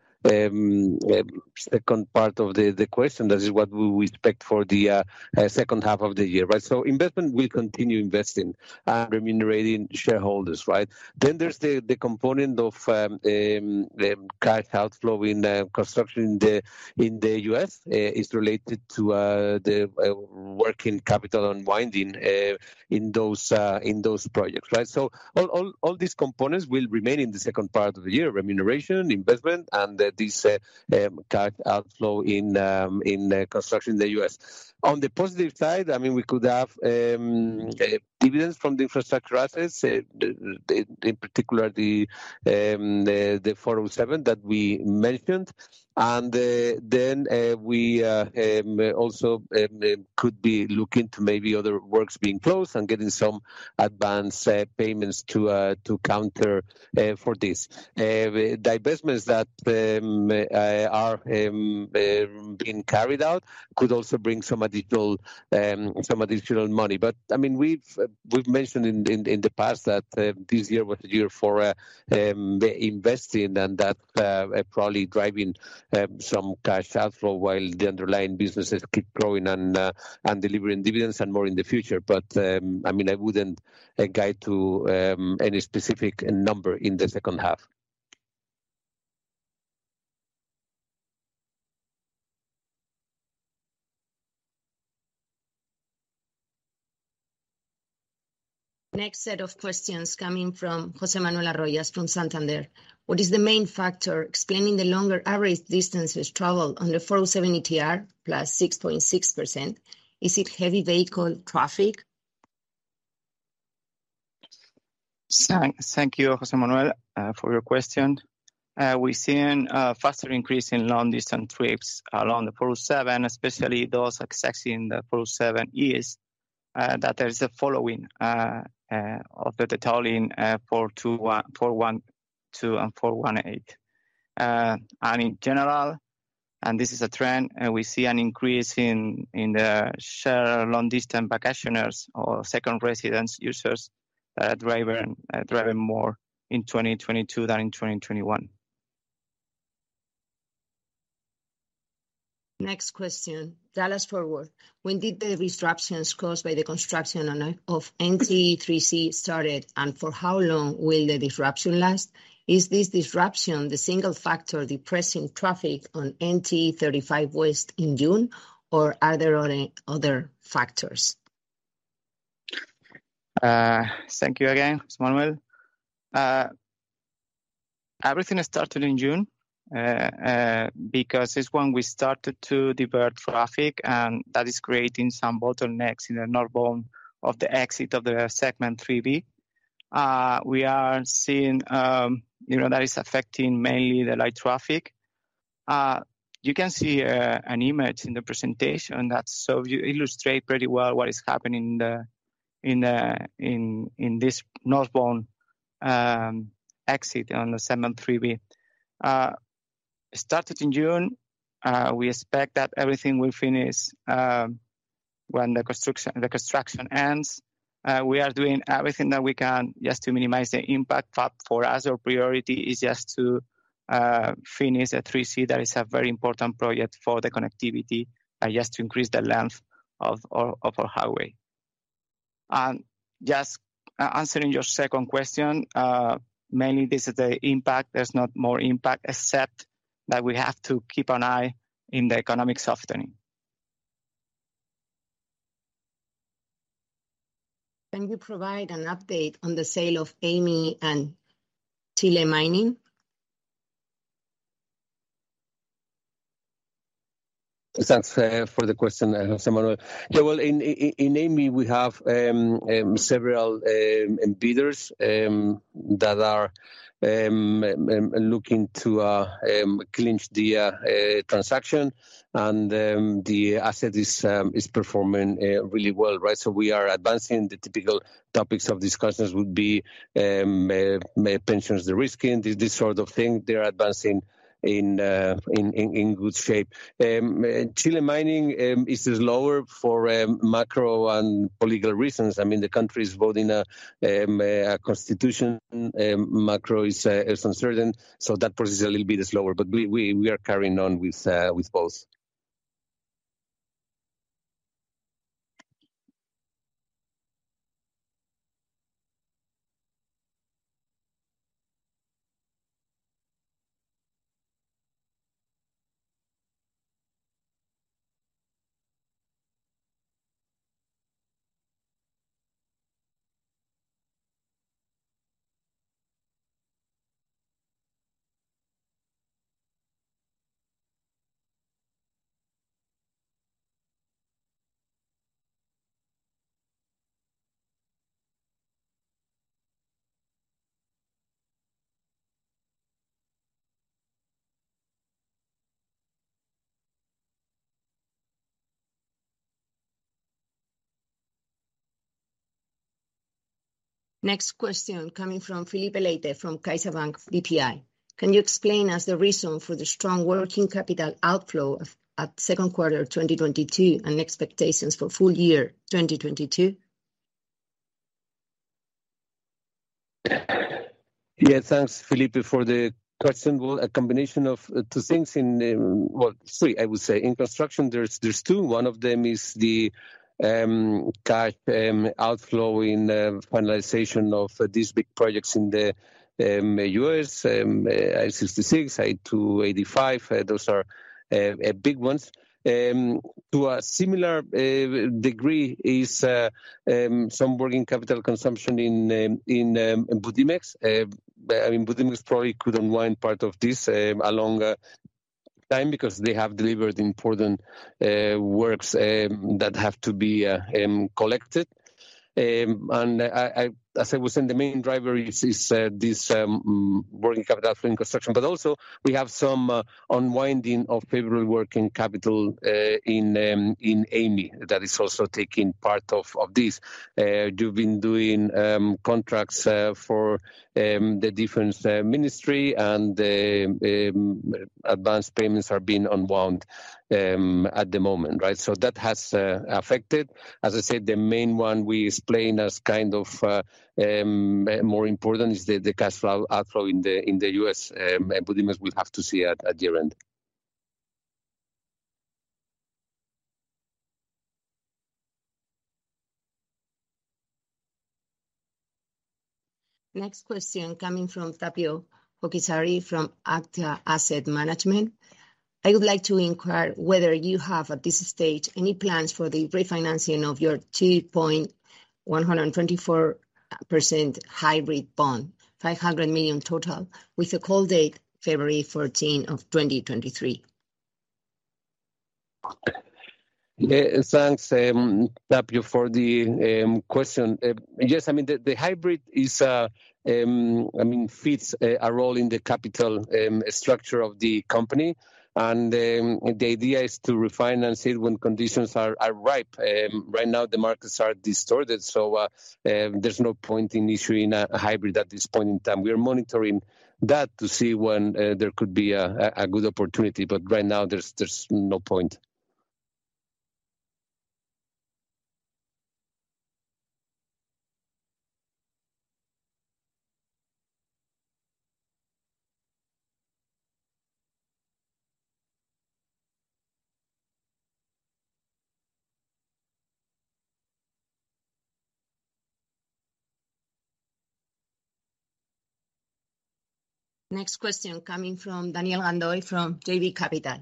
second part of the question. That is what we will expect for the H2 of the year, right? Investment, we'll continue investing and remunerating shareholders, right? There's the component of the cash outflow in construction in the U.S. is related to the working capital unwinding in those projects, right? All these components will remain in the second part of the year, remuneration, investment, and the cash outflow in construction in the U.S. On the positive side, I mean, we could have dividends from the infrastructure assets, in particular the 407 that we mentioned. We also could be looking to maybe other works being closed and getting some advance payments to counter for this. divestments that are being carried out could also bring some additional money. I mean, we've mentioned in the past that this year was the year for investing and that probably driving some cash outflow while the underlying businesses keep growing and delivering dividends and more in the future. I mean, I wouldn't guide to any specific number in the H2. Next set of questions coming from José Manuel Arroyo from Santander. What is the main factor explaining the longer average distances traveled on the 407 ETR +6.6%? Is it heavy vehicle traffic? Thank you, José Manuel, for your question. We're seeing a faster increase in long distance trips along the 407, especially those exiting the 407 East, that there's a following of the toll in 412 and 418. In general, this is a trend, we see an increase in the share long distance vacationers or second residence users driving more in 2022 than in 2021. Next question. Dallas-Fort Worth. When did the disruptions caused by the construction of NTE 3C started, and for how long will the disruption last? Is this disruption the single factor depressing traffic on NTE 35W in June or are there any other factors? Thank you again, José Manuel. Everything started in June because it's when we started to divert traffic, and that is creating some bottlenecks in the northbound of the exit of the Segment 3B. We are seeing, you know, that is affecting mainly the light traffic. You can see an image in the presentation that you illustrate pretty well what is happening in this northbound exit on the Segment 3B. It started in June. We expect that everything will finish when the construction ends. We are doing everything that we can just to minimize the impact. For us, our priority is just to finish the 3C. That is a very important project for the connectivity and just to increase the length of our highway. Just answering your second question, mainly this is the impact. There's no more impact, except that we have to keep an eye on the economic softening. Can you provide an update on the sale of Amey and Chile mining? Thanks for the question, José Manuel. Yeah, well, in Amey, we have several bidders that are looking to clinch the transaction. The asset is performing really well, right? We are advancing. The typical topics of discussions would be pensions, the risk and this sort of thing. They're advancing in good shape. Chile mining is slower for macro and political reasons. I mean, the country is voting a constitution. Macro is uncertain, so that process is a little bit slower, but we are carrying on with both. Next question coming from Felipe Leite from CaixaBank BPI. Can you explain us the reason for the strong working capital outflow at Q2 of 2022 and expectations for full year 2022? Yeah, thanks, Felipe, for the question. Well, a combination of two things, well, three, I would say. In construction, there's two. One of them is the cash outflow in finalization of these big projects in the U.S., I-66, I-285. Those are big ones. To a similar degree is some working capital consumption in Budimex. I mean, Budimex probably could unwind part of this a longer time because they have delivered important works that have to be collected. As I was saying, the main driver is this working capital outflow in construction, but also we have some unwinding of favorable working capital in Amey that is also taking part of this. They've been doing contracts for the defense ministry and the advanced payments are being unwound at the moment, right? That has affected. As I said, the main one we explain as kind of more important is the cash flow outflow in the U.S., and Budimex will have to see at year-end. Next question coming from Pablo Officieri from Aster Asset Management. I would like to inquire whether you have, at this stage, any plans for the refinancing of your 2.124% hybrid bond, 500 million total, with a call date February 14, 2023. Yeah. Thanks, Pablo, for the question. Yes, I mean the hybrid is, I mean fits a role in the capital structure of the company, and the idea is to refinance it when conditions are ripe. Right now the markets are distorted, so there's no point in issuing a hybrid at this point in time. We are monitoring that to see when there could be a good opportunity, but right now there's no point. Next question coming from Daniel Gandoy from JB Capital.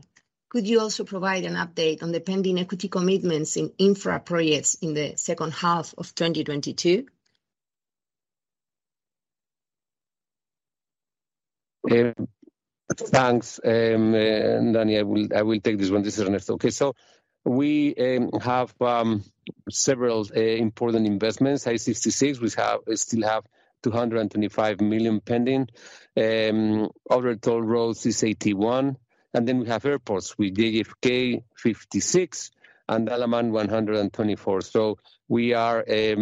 Could you also provide an update on the pending equity commitments in infra projects in the H2 of 2022? Thanks, Daniel. I will take this one. This is Ernesto. Okay. We have several important investments. I-66, we still have 225 million pending. Other toll roads is 81 million. Then we have airports with JFK 56 million and Dalaman 124 million. We are, I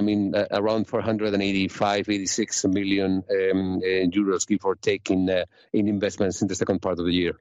mean, around 485-86 million euros before taking any investments in the second part of the year.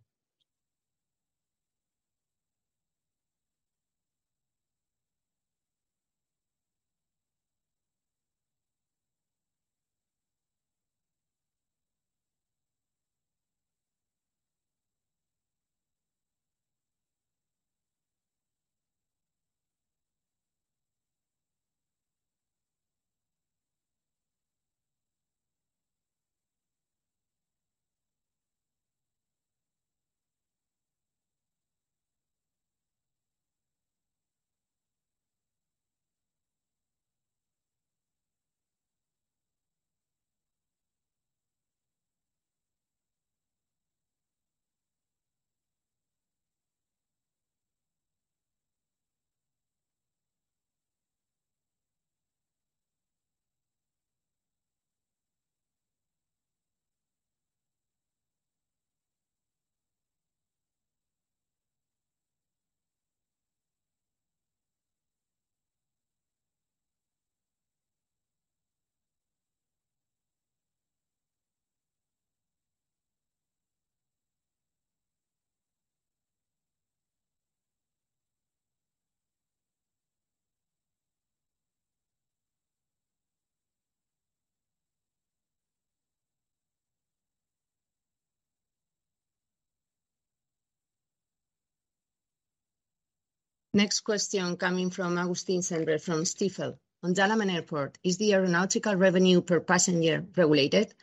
Next question coming from Augustin Cendre from Stifel. On Dalaman International Airport, is the aeronautical revenue per passenger regulated?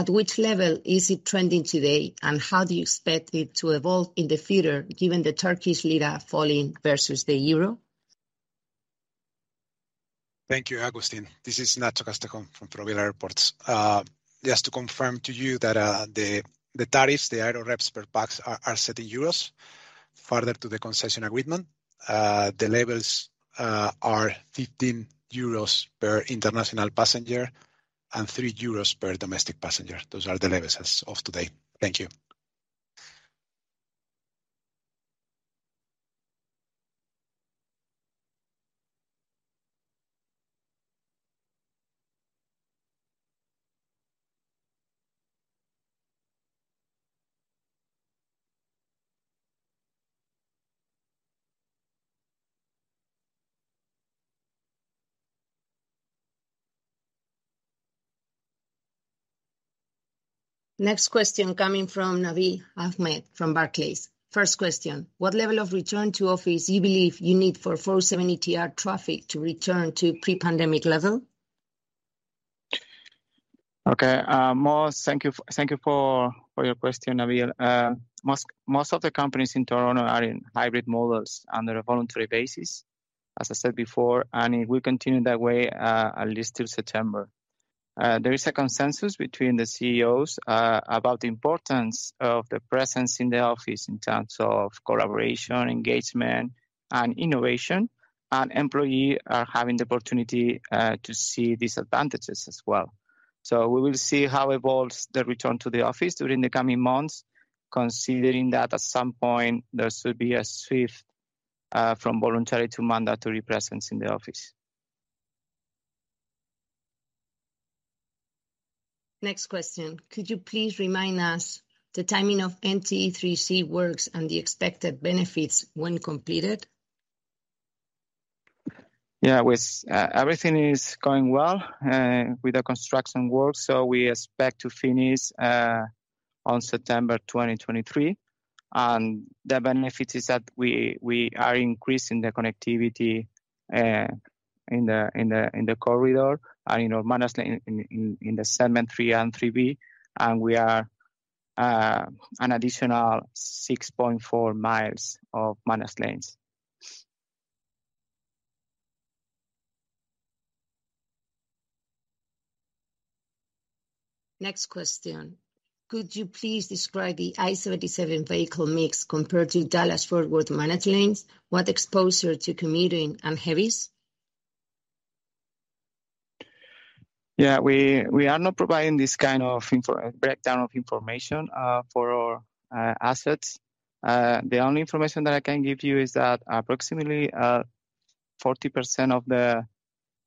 At which level is it trending today, and how do you expect it to evolve in the future given the Turkish lira falling versus the euro? Thank you, Augustin. This is Ignacio Castejón from Ferrovial Airports. Just to confirm to you that the tariffs, the aeronautical revenue per passenger are set in euros further to the concession agreement. The levels are 15 euros per international passenger and EUR three per domestic passenger. Those are the levels as of today. Thank you. Next question coming from Nabiel Ahmed from Barclays. First question, what level of return to office you believe you need for 407 ETR traffic to return to pre-pandemic level? Okay. Mo, thank you for your question, Nabiel. Most of the companies in Toronto are in hybrid models under a voluntary basis, as I said before, and it will continue that way, at least till September. There is a consensus between the CEOs about the importance of the presence in the office in terms of collaboration, engagement and innovation, and employees are having the opportunity to see these advantages as well. We will see how evolves the return to the office during the coming months, considering that at some point there should be a shift from voluntary to mandatory presence in the office. Next question. Could you please remind us the timing of NTE 3C works and the expected benefits when completed? Yeah, everything is going well with the construction work, so we expect to finish on September 2023. The benefit is that we are increasing the connectivity in the corridor and, you know, in the segment three and 3B. We are an additional 6.4 miles of managed lanes. Next question. Could you please describe the I-77 vehicle mix compared to Dallas-Fort Worth managed lanes? What exposure to commuting and heavies? Yeah. We are not providing this kind of breakdown of information for our assets. The only information that I can give you is that approximately 40% of the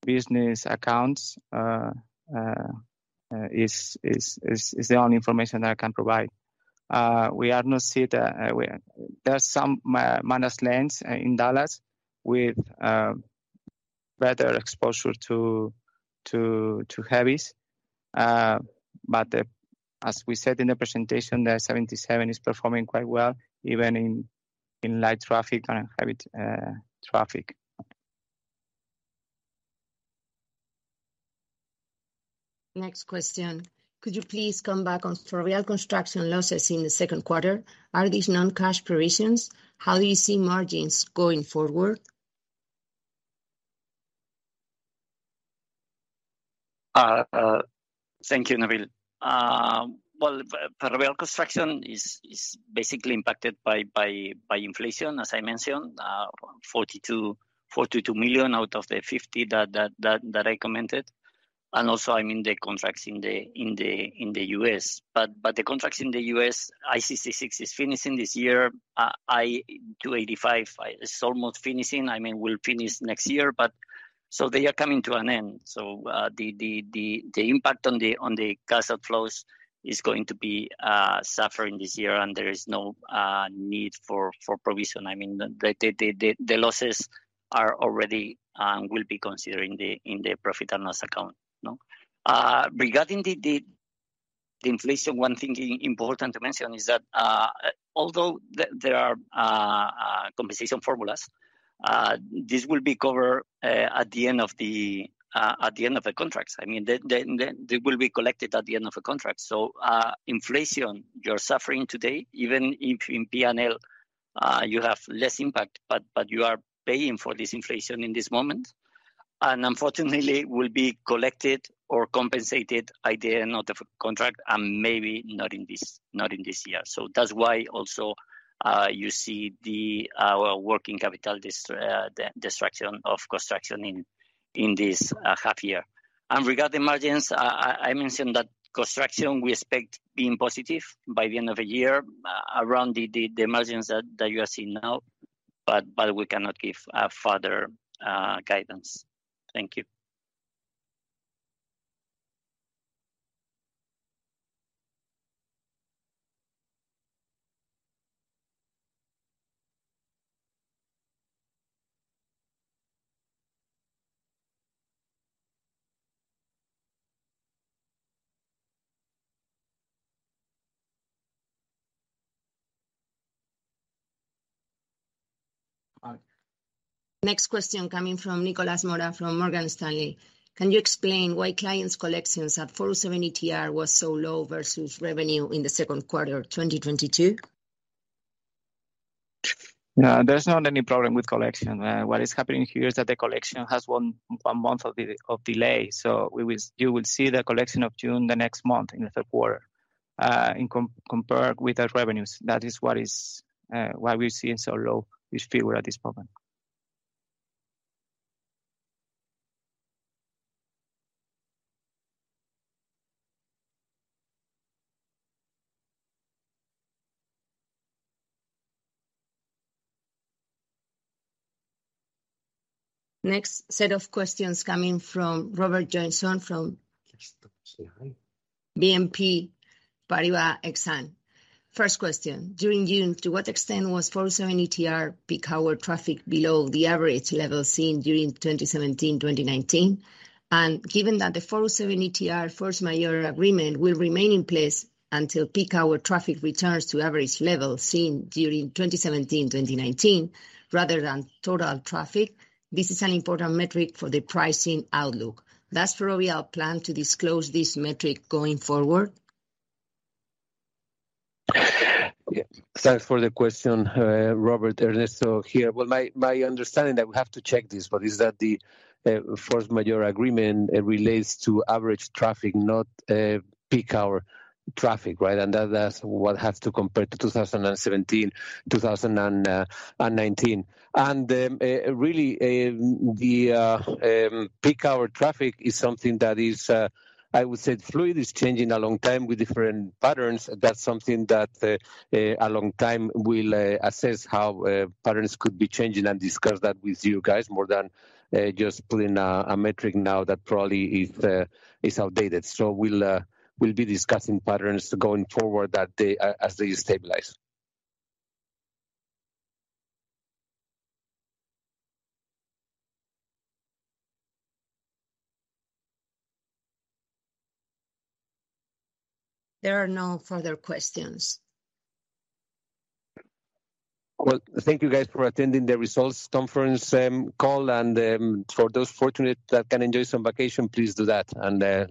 business accounts is the only information that I can provide. There are some managed lanes in Dallas with better exposure to heavies. But as we said in the presentation, the 77 is performing quite well, even in light traffic and in heavy traffic. Next question. Could you please come back on Ferrovial Construction losses in the Q2? Are these non-cash provisions? How do you see margins going forward? Thank you, Nabiel. Well, Ferrovial Construction is basically impacted by inflation, as I mentioned, 42 million out of the 50 million that I commented. Also, I mean, the contracts in the US. But the contracts in the US, I-66 is finishing this year. I-285 is almost finishing. I mean, will finish next year, but they are coming to an end. The impact on the cash outflows is going to be suffering this year, and there is no need for provision. I mean, the losses are already and will be considering in the profit and loss account. No? Regarding the inflation, one thing important to mention is that, although there are compensation formulas, this will be covered at the end of the contracts. I mean, they will be collected at the end of the contract. Inflation you're suffering today, even if in P&L you have less impact, but you are paying for this inflation in this moment. Unfortunately, will be collected or compensated at the end of the contract and maybe not in this year. That's why also you see our working capital destruction in construction in this half year. Regarding margins, I mentioned that construction we expect being positive by the end of the year, around the margins that you are seeing now. We cannot give a further guidance. Thank you. Next question coming from Nicolas Mora from Morgan Stanley. Can you explain why clients collections at 407 ETR was so low versus revenue in the Q2 of 2022? No, there's not any problem with collection. What is happening here is that the collection has one month of delay. You will see the collection of June the next month in the Q3, in comparison with our revenues. That is why we're seeing so low this figure at this moment. Next set of questions coming from Robert Johnson from. Just say hi. BNP Paribas Exane. First question, during June, to what extent was 407 ETR peak hour traffic below the average level seen during 2017, 2019? Given that the 407 ETR force majeure agreement will remain in place until peak hour traffic returns to average levels seen during 2017, 2019, rather than total traffic, this is an important metric for the pricing outlook. Does Ferrovial plan to disclose this metric going forward? Yeah. Thanks for the question, Robert. Ernesto here. Well, my understanding is that we have to check this, but is that the force majeure agreement relates to average traffic, not peak hour traffic, right? That's what we have to compare to 2017, 2019. Really, the peak hour traffic is something that is, I would say fluid. It's changing all the time with different patterns. That's something that all the time we'll assess how patterns could be changing and discuss that with you guys more than just putting a metric now that probably is outdated. We'll be discussing patterns going forward as they stabilize. There are no further questions. Well, thank you guys for attending the results conference call. For those fortunate that can enjoy some vacation, please do that.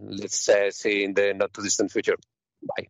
Let's see you in the not too distant future. Bye.